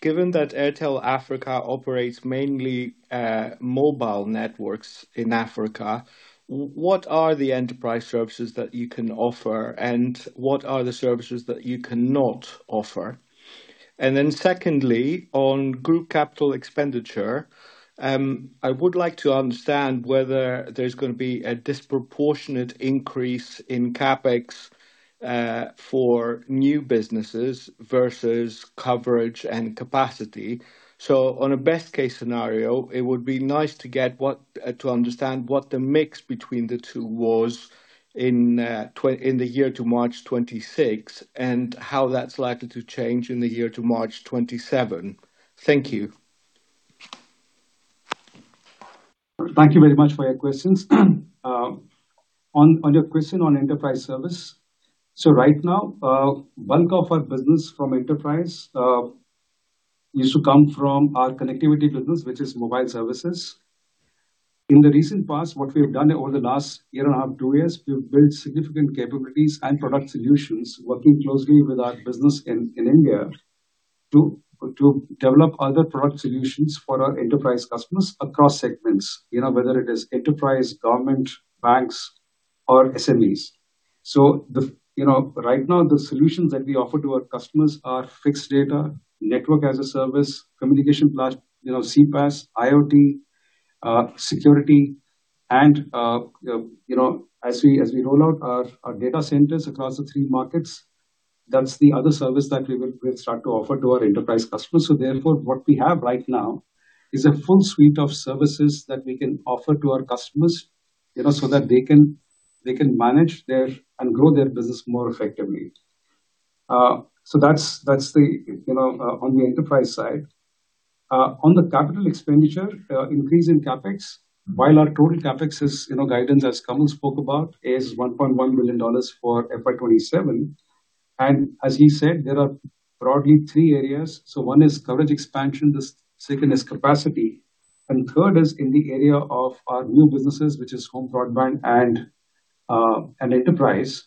S7: Given that Airtel Africa operates mainly mobile networks in Africa, what are the enterprise services that you can offer, and what are the services that you cannot offer? Then secondly, on group capital expenditure, I would like to understand whether there's gonna be a disproportionate increase in CapEx for new businesses versus coverage and capacity. On a best-case scenario, it would be nice to understand what the mix between the two was in the year to March 2026, and how that's likely to change in the year to March 2027. Thank you.
S2: Thank you very much for your questions. On your question on enterprise service. Right now, bulk of our business from enterprise, used to come from our connectivity business, which is mobile services. In the recent past, what we have done over the last year and a half, two years, we've built significant capabilities and product solutions working closely with our business in India to develop other product solutions for our enterprise customers across segments, you know, whether it is enterprise, government, banks or SMEs. The you know, right now, the solutions that we offer to our customers are fixed data, network as a service, communication you know, CPaaS, IoT, security, and you know, as we roll out our data centers across the three markets, that's the other service that we'll start to offer to our enterprise customers. Therefore, what we have right now is a full suite of services that we can offer to our customers, you know, so that they can manage their and grow their business more effectively. That's the you know, on the enterprise side. On the capital expenditure increase in CapEx, while our total CapEx is you know guidance, as Kamal spoke about, is $1.1 billion for FY 2027, and as he said, there are broadly three areas. One is coverage expansion, the second is capacity, and third is in the area of our new businesses, which is home broadband and enterprise.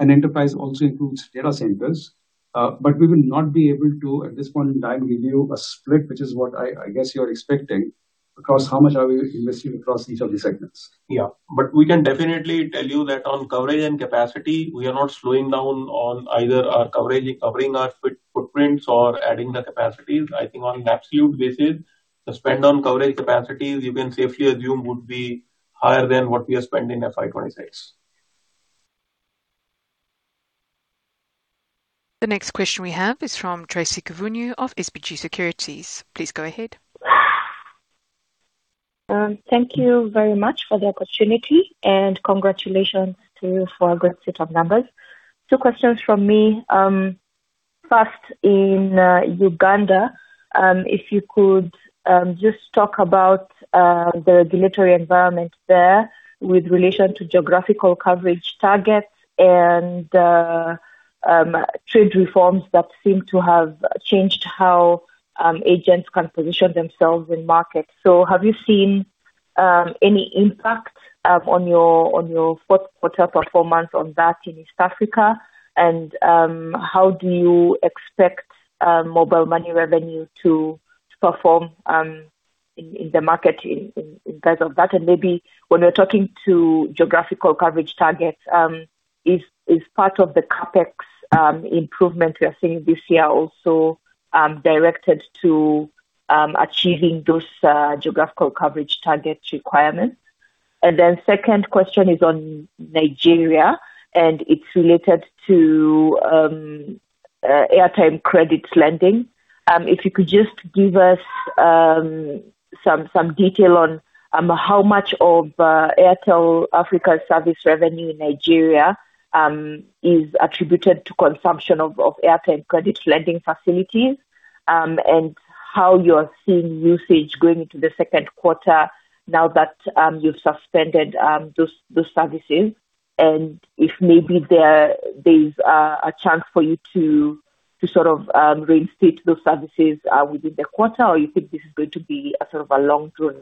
S2: Enterprise also includes data centers. We will not be able to, at this point in time, give you a split, which is what I guess you're expecting, across how much are we investing across each of these segments.
S3: Yeah. We can definitely tell you that on coverage and capacity, we are not slowing down on either our coverage, covering our footprints or adding the capacities. I think on an absolute basis, the spend on coverage capacities, you can safely assume, would be higher than what we are spending in FY 2026.
S1: The next question we have is from Tracy Kivunyu of SBG Securities. Please go ahead.
S8: Thank you very much for the opportunity, and congratulations to you for a great set of numbers. Two questions from me. First, in Uganda, if you could just talk about the regulatory environment there with relation to geographical coverage targets and trade reforms that seem to have changed how agents can position themselves in market. Have you seen any impact on your fourth quarter performance on that in East Africa? How do you expect mobile money revenue to perform in the market in terms of that? Maybe when we're talking to geographical coverage targets, is part of the CapEx improvement we are seeing this year also directed to achieving those geographical coverage target requirements? Second question is on Nigeria, and it's related to airtime credit lending. If you could just give us some detail on how much of Airtel Africa service revenue in Nigeria is attributed to consumption of airtime credit lending facilities and how you are seeing usage going into the second quarter now that you've suspended those services. If maybe there's a chance for you to sort of reinstate those services within the quarter or you think this is going to be a sort of a long-term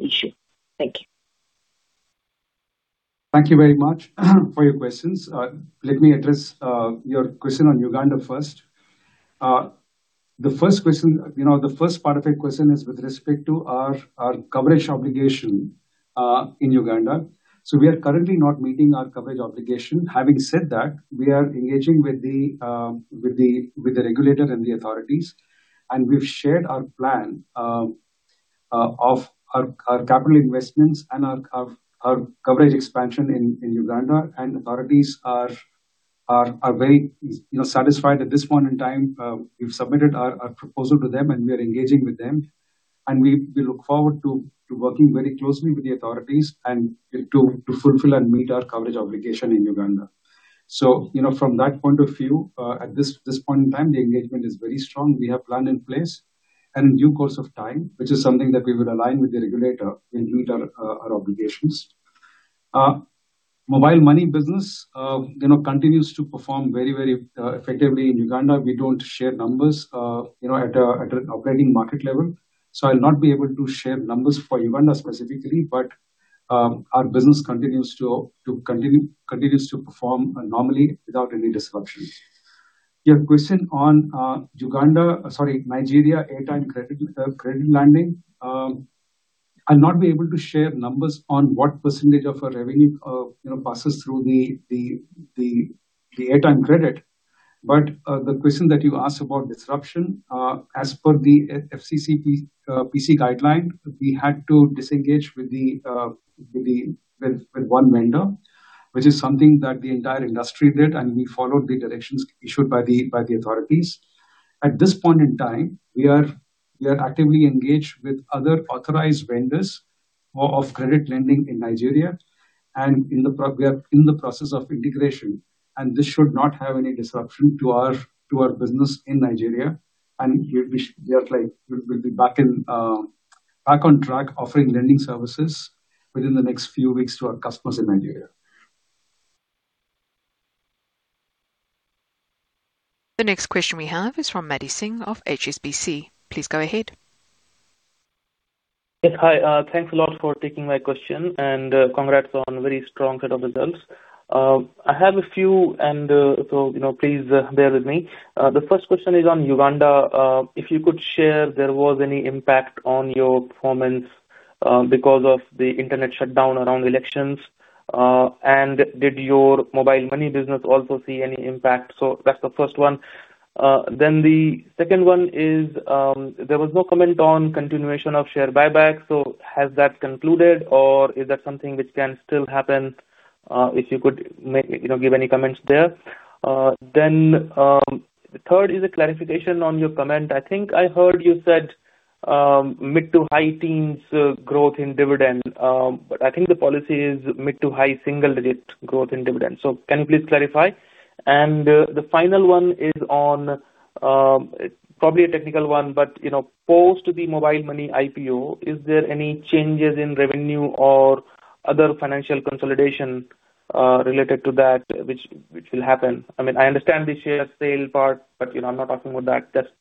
S8: issue? Thank you.
S2: Thank you very much for your questions. Let me address your question on Uganda first. The first question, you know, the first part of your question is with respect to our coverage obligation in Uganda. We are currently not meeting our coverage obligation. Having said that, we are engaging with the regulator and the authorities, and we've shared our plan of our capital investments and our coverage expansion in Uganda, and authorities are very satisfied, you know, at this point in time. We've submitted our proposal to them, and we are engaging with them, and we look forward to working very closely with the authorities and to fulfill and meet our coverage obligation in Uganda. You know, from that point of view, at this point in time, the engagement is very strong. We have plan in place. In due course of time, which is something that we will align with the regulator, we'll meet our obligations. mobile money business, you know, continues to perform very effectively in Uganda. We don't share numbers, at an operating market level, so I'll not be able to share numbers for Uganda specifically. Our business continues to perform normally without any disruptions. Your question on, Uganda, sorry, Nigeria airtime credit lending, I'll not be able to share numbers on what percentage of our revenue, passes through the airtime credit. The question that you asked about disruption, as per the FCCPC guideline, we had to disengage with one vendor, which is something that the entire industry did, and we followed the directions issued by the authorities. At this point in time, we are actively engaged with other authorized vendors of credit lending in Nigeria and in the process of integration, and this should not have any disruption to our business in Nigeria. We are, like, we'll be back on track offering lending services within the next few weeks to our customers in Nigeria.
S1: The next question we have is from [Madhe] Singh of HSBC. Please go ahead.
S9: Yes. Hi, thanks a lot for taking my question, and congrats on very strong set of results. I have a few and, so, you know, please bear with me. The first question is on Uganda. If you could share there was any impact on your performance, because of the internet shutdown around elections. Did your mobile money business also see any impact? That's the first one. The second one is, there was no comment on continuation of share buyback. Has that concluded or is that something which can still happen? If you could make, you know, give any comments there. Third is a clarification on your comment. I think I heard you said, mid to high teens, growth in dividend. I think the policy is mid to high single digit growth in dividends. Can you please clarify? The final one is on probably a technical one, but, you know, post the mobile money IPO, is there any changes in revenue or other financial consolidation related to that which will happen? I mean, I understand the share sale part, but, you know, I'm not asking about that. Just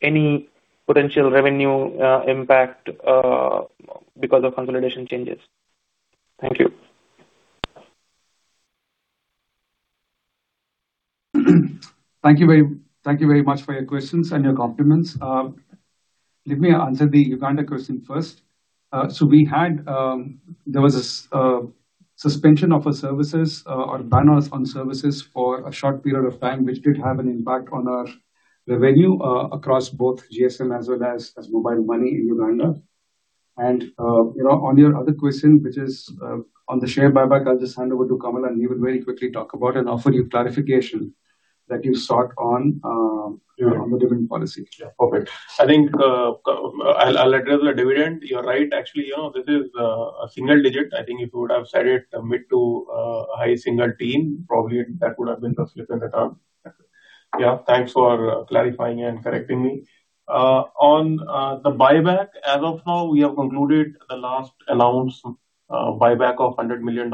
S9: any potential revenue impact because of consolidation changes. Thank you.
S2: Thank you very much for your questions and your compliments. Let me answer the Uganda question first. There was a suspension of our services or bans on services for a short period of time, which did have an impact on our revenue across both GSM as well as mobile money in Uganda. You know, on your other question, which is on the share buyback, I'll just hand over to Kamal, and he will very quickly talk about and offer you clarification that you sought on the dividend policy.
S3: Yeah. Perfect. I think I'll address the dividend. You're right, actually, you know, this is a single digit. I think if you would have said it mid to high single teen, probably that would have been the slip of the tongue. Yeah, thanks for clarifying and correcting me. On the buyback, as of now, we have concluded the last announced buyback of $100 million.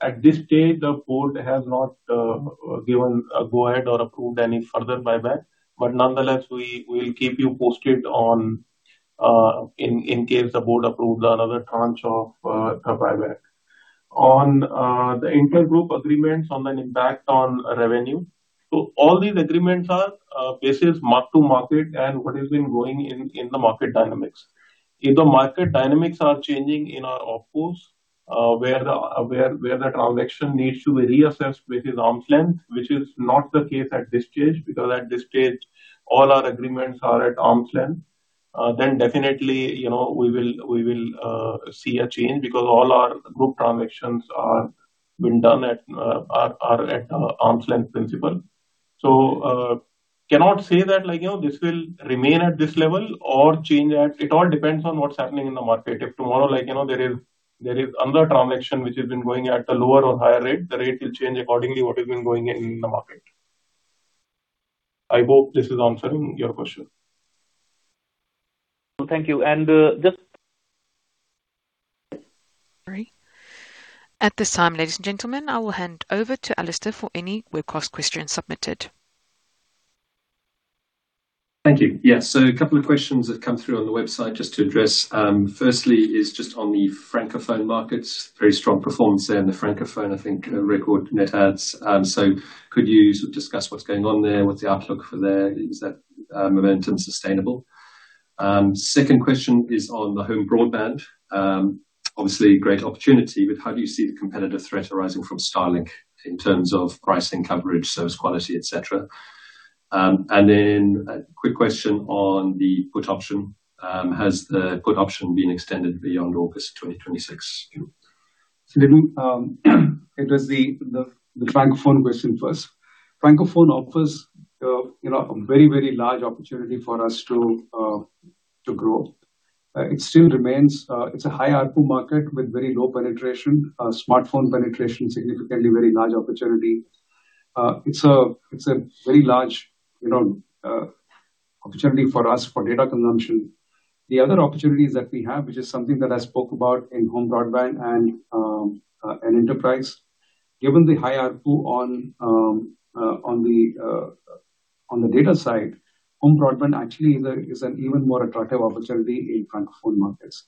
S3: At this stage, the board has not given a go ahead or approved any further buyback, but nonetheless, we'll keep you posted in case the board approves another tranche of the buyback. On the intergroup agreements on an impact on revenue. All these agreements are basis mark to market and what has been going in the market dynamics. If the market dynamics are changing, of course, where the transaction needs to be reassessed, which is arm's length, which is not the case at this stage, because at this stage, all our agreements are at arm's length, then definitely, you know, we will see a change because all our group transactions are being done at arm's length principle. Cannot say that like, you know, this will remain at this level or change. It all depends on what's happening in the market. If tomorrow, like, you know, there is another transaction which has been going at a lower or higher rate, the rate will change accordingly to what has been going in the market. I hope this is answering your question.
S9: Thank you.
S1: Sorry. At this time, ladies and gentlemen, I will hand over to Alastair for any webcast questions submitted.
S10: Thank you. Yeah. A couple of questions have come through on the website just to address. Firstly is just on the Francophone markets. Very strong performance there in the Francophone, I think, record net adds. Could you sort of discuss what's going on there? What's the outlook for there? Is that, momentum sustainable? Second question is on the home broadband. Obviously great opportunity, but how do you see the competitive threat arising from Starlink in terms of pricing, coverage, service quality, et cetera? A quick question on the put option. Has the put option been extended beyond August 2026?
S2: Let me address the Francophone question first. Francophone offers, you know, a very, very large opportunity for us to grow. It still remains, it's a high ARPU market with very low penetration. Smartphone penetration significantly very large opportunity. It's a very large, you know, opportunity for us for data consumption. The other opportunities that we have, which is something that I spoke about in home broadband and enterprise. Given the high ARPU on the data side, home broadband actually is an even more attractive opportunity in Francophone markets.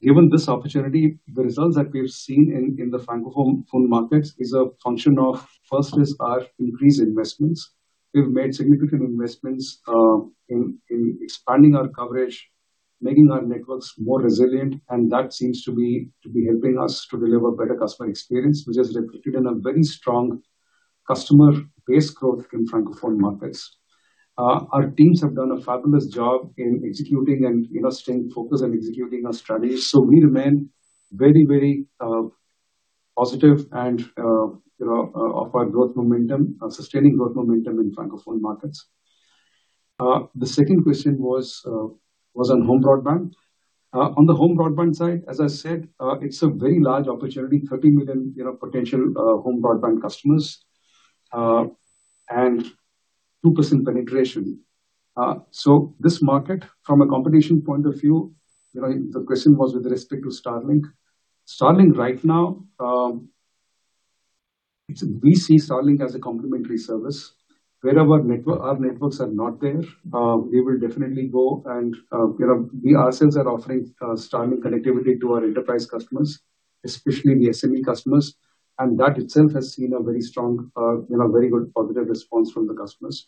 S2: Given this opportunity, the results that we've seen in the Francophone markets is a function of, first is our increased investments. We've made significant investments, in expanding our coverage, making our networks more resilient, and that seems to be helping us to deliver better customer experience, which has resulted in a very strong customer base growth in Francophone markets. Our teams have done a fabulous job in executing and, you know, staying focused and executing our strategy. We remain very positive and, you know, of our growth momentum, sustaining growth momentum in Francophone markets. The second question was on home broadband. On the home broadband side, as I said, it's a very large opportunity, 30 million, you know, potential home broadband customers, and 2% penetration. This market, from a competition point of view, you know, the question was with respect to Starlink. Starlink right now, we see Starlink as a complementary service. Where our network, our networks are not there, we will definitely go and, you know, we ourselves are offering, Starlink connectivity to our enterprise customers, especially the SME customers, and that itself has seen a very strong, you know, very good positive response from the customers.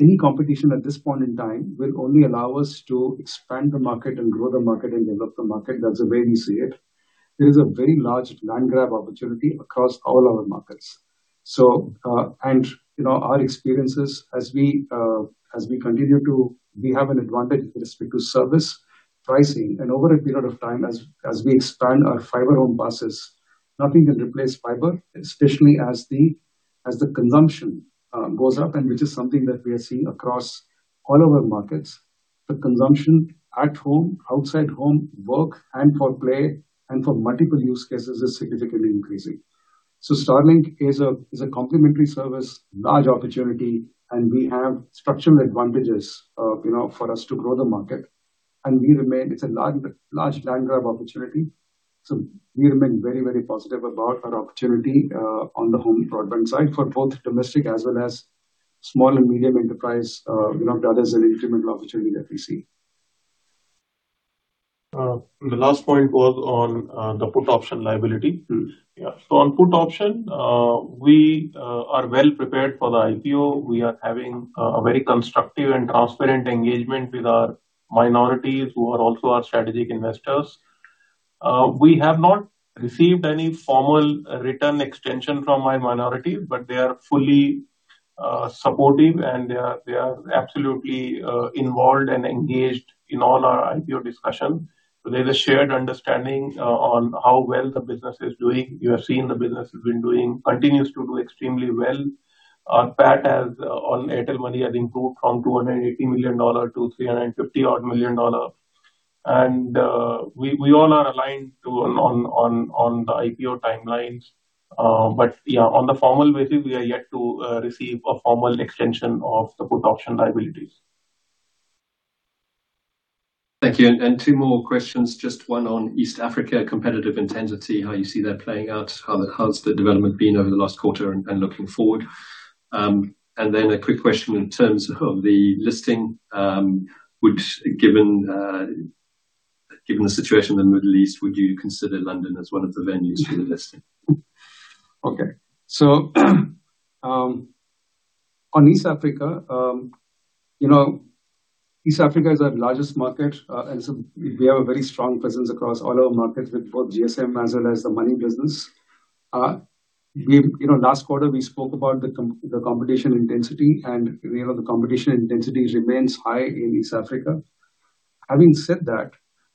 S2: Any competition at this point in time will only allow us to expand the market and grow the market and develop the market. That's the way we see it. There is a very large land grab opportunity across all our markets. you know, our experiences as we continue to. We have an advantage with respect to service pricing and over a period of time, as we expand our fiber home pass, nothing can replace fiber, especially as the consumption goes up and which is something that we are seeing across all our markets. The consumption at home, outside home, work, and for play and for multiple use cases is significantly increasing. Starlink is a complementary service, large opportunity, and we have structural advantages, you know, for us to grow the market. we remain It's a large land grab opportunity, so we remain very positive about our opportunity on the home broadband side for both domestic as well as small and medium enterprise, you know, that is an incremental opportunity that we see.
S3: The last point was on, the put option liability. On put option, we are well prepared for the IPO. We are having a very constructive and transparent engagement with our minorities who are also our strategic investors. We have not received any formal written extension from my minority, but they are fully supportive, and they are absolutely involved and engaged in all our IPO discussion. There's a shared understanding on how well the business is doing. You have seen the business has been doing, continues to do extremely well. Our PAT on Airtel Money has improved from $280 million to $350-odd million. We all are aligned on the IPO timelines. On the formal basis, we are yet to receive a formal extension of the put option liabilities.
S10: Thank you. Two more questions, just one on East Africa competitive intensity, how you see that playing out, how's the development been over the last quarter and looking forward. A quick question in terms of the listing. Given the situation in the Middle East, would you consider London as one of the venues for the listing?
S2: On East Africa, you know, East Africa is our largest market, and so we have a very strong presence across all our markets with both GSM as well as the money business. We, you know, last quarter, we spoke about the competition intensity, and you know, the competition intensity remains high in East Africa. Having said that,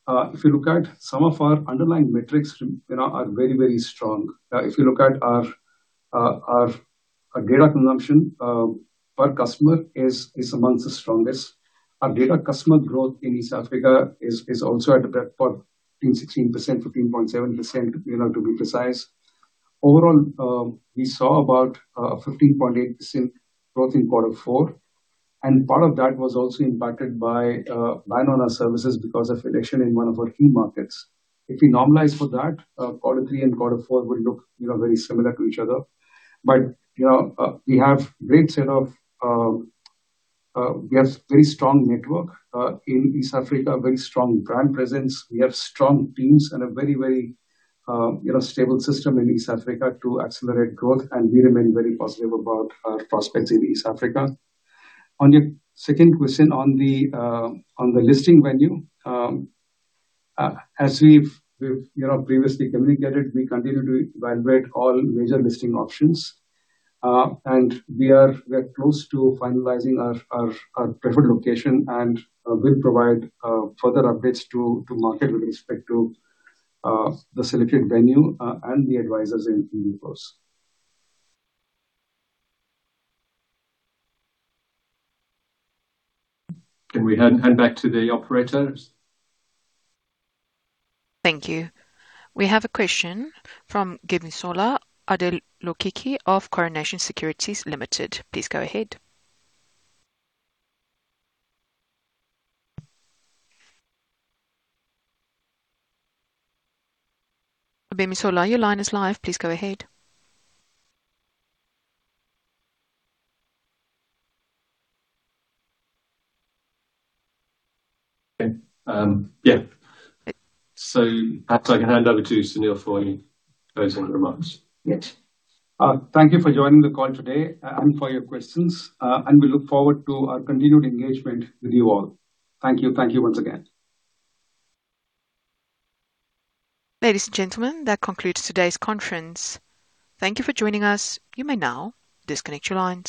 S2: if you look at some of our underlying metrics, you know, are very, very strong. If you look at our data consumption per customer is amongst the strongest. Our data customer growth in East Africa is also at about 14%, 16%, 15.7%, you know, to be precise. Overall, we saw about 15.8% growth in quarter four, and part of that was also impacted by a ban on our services because of election in one of our key markets. If we normalize for that, quarter three and quarter four will look, you know, very similar to each other. You know, we have very strong network in East Africa, very strong brand presence. We have strong teams and a very, very, you know, stable system in East Africa to accelerate growth, and we remain very positive about our prospects in East Africa. On your second question on the listing venue, as we've, you know, previously communicated, we continue to evaluate all major listing options. We are close to finalizing our preferred location and will provide further updates to market with respect to the selected venue and the advisors in due course.
S10: Can we hand back to the operators?
S1: Thank you. We have a question from Gbemisola Adelokiki of Coronation Securities Limited. Please go ahead. Gbemisola, your line is live. Please go ahead.
S10: Okay. Yeah. Perhaps I can hand over to Sunil for any closing remarks.
S2: Yes. Thank you for joining the call today, and for your questions. We look forward to our continued engagement with you all. Thank you. Thank you once again.
S1: Ladies and gentlemen, that concludes today's conference. Thank you for joining us. You may now disconnect your lines.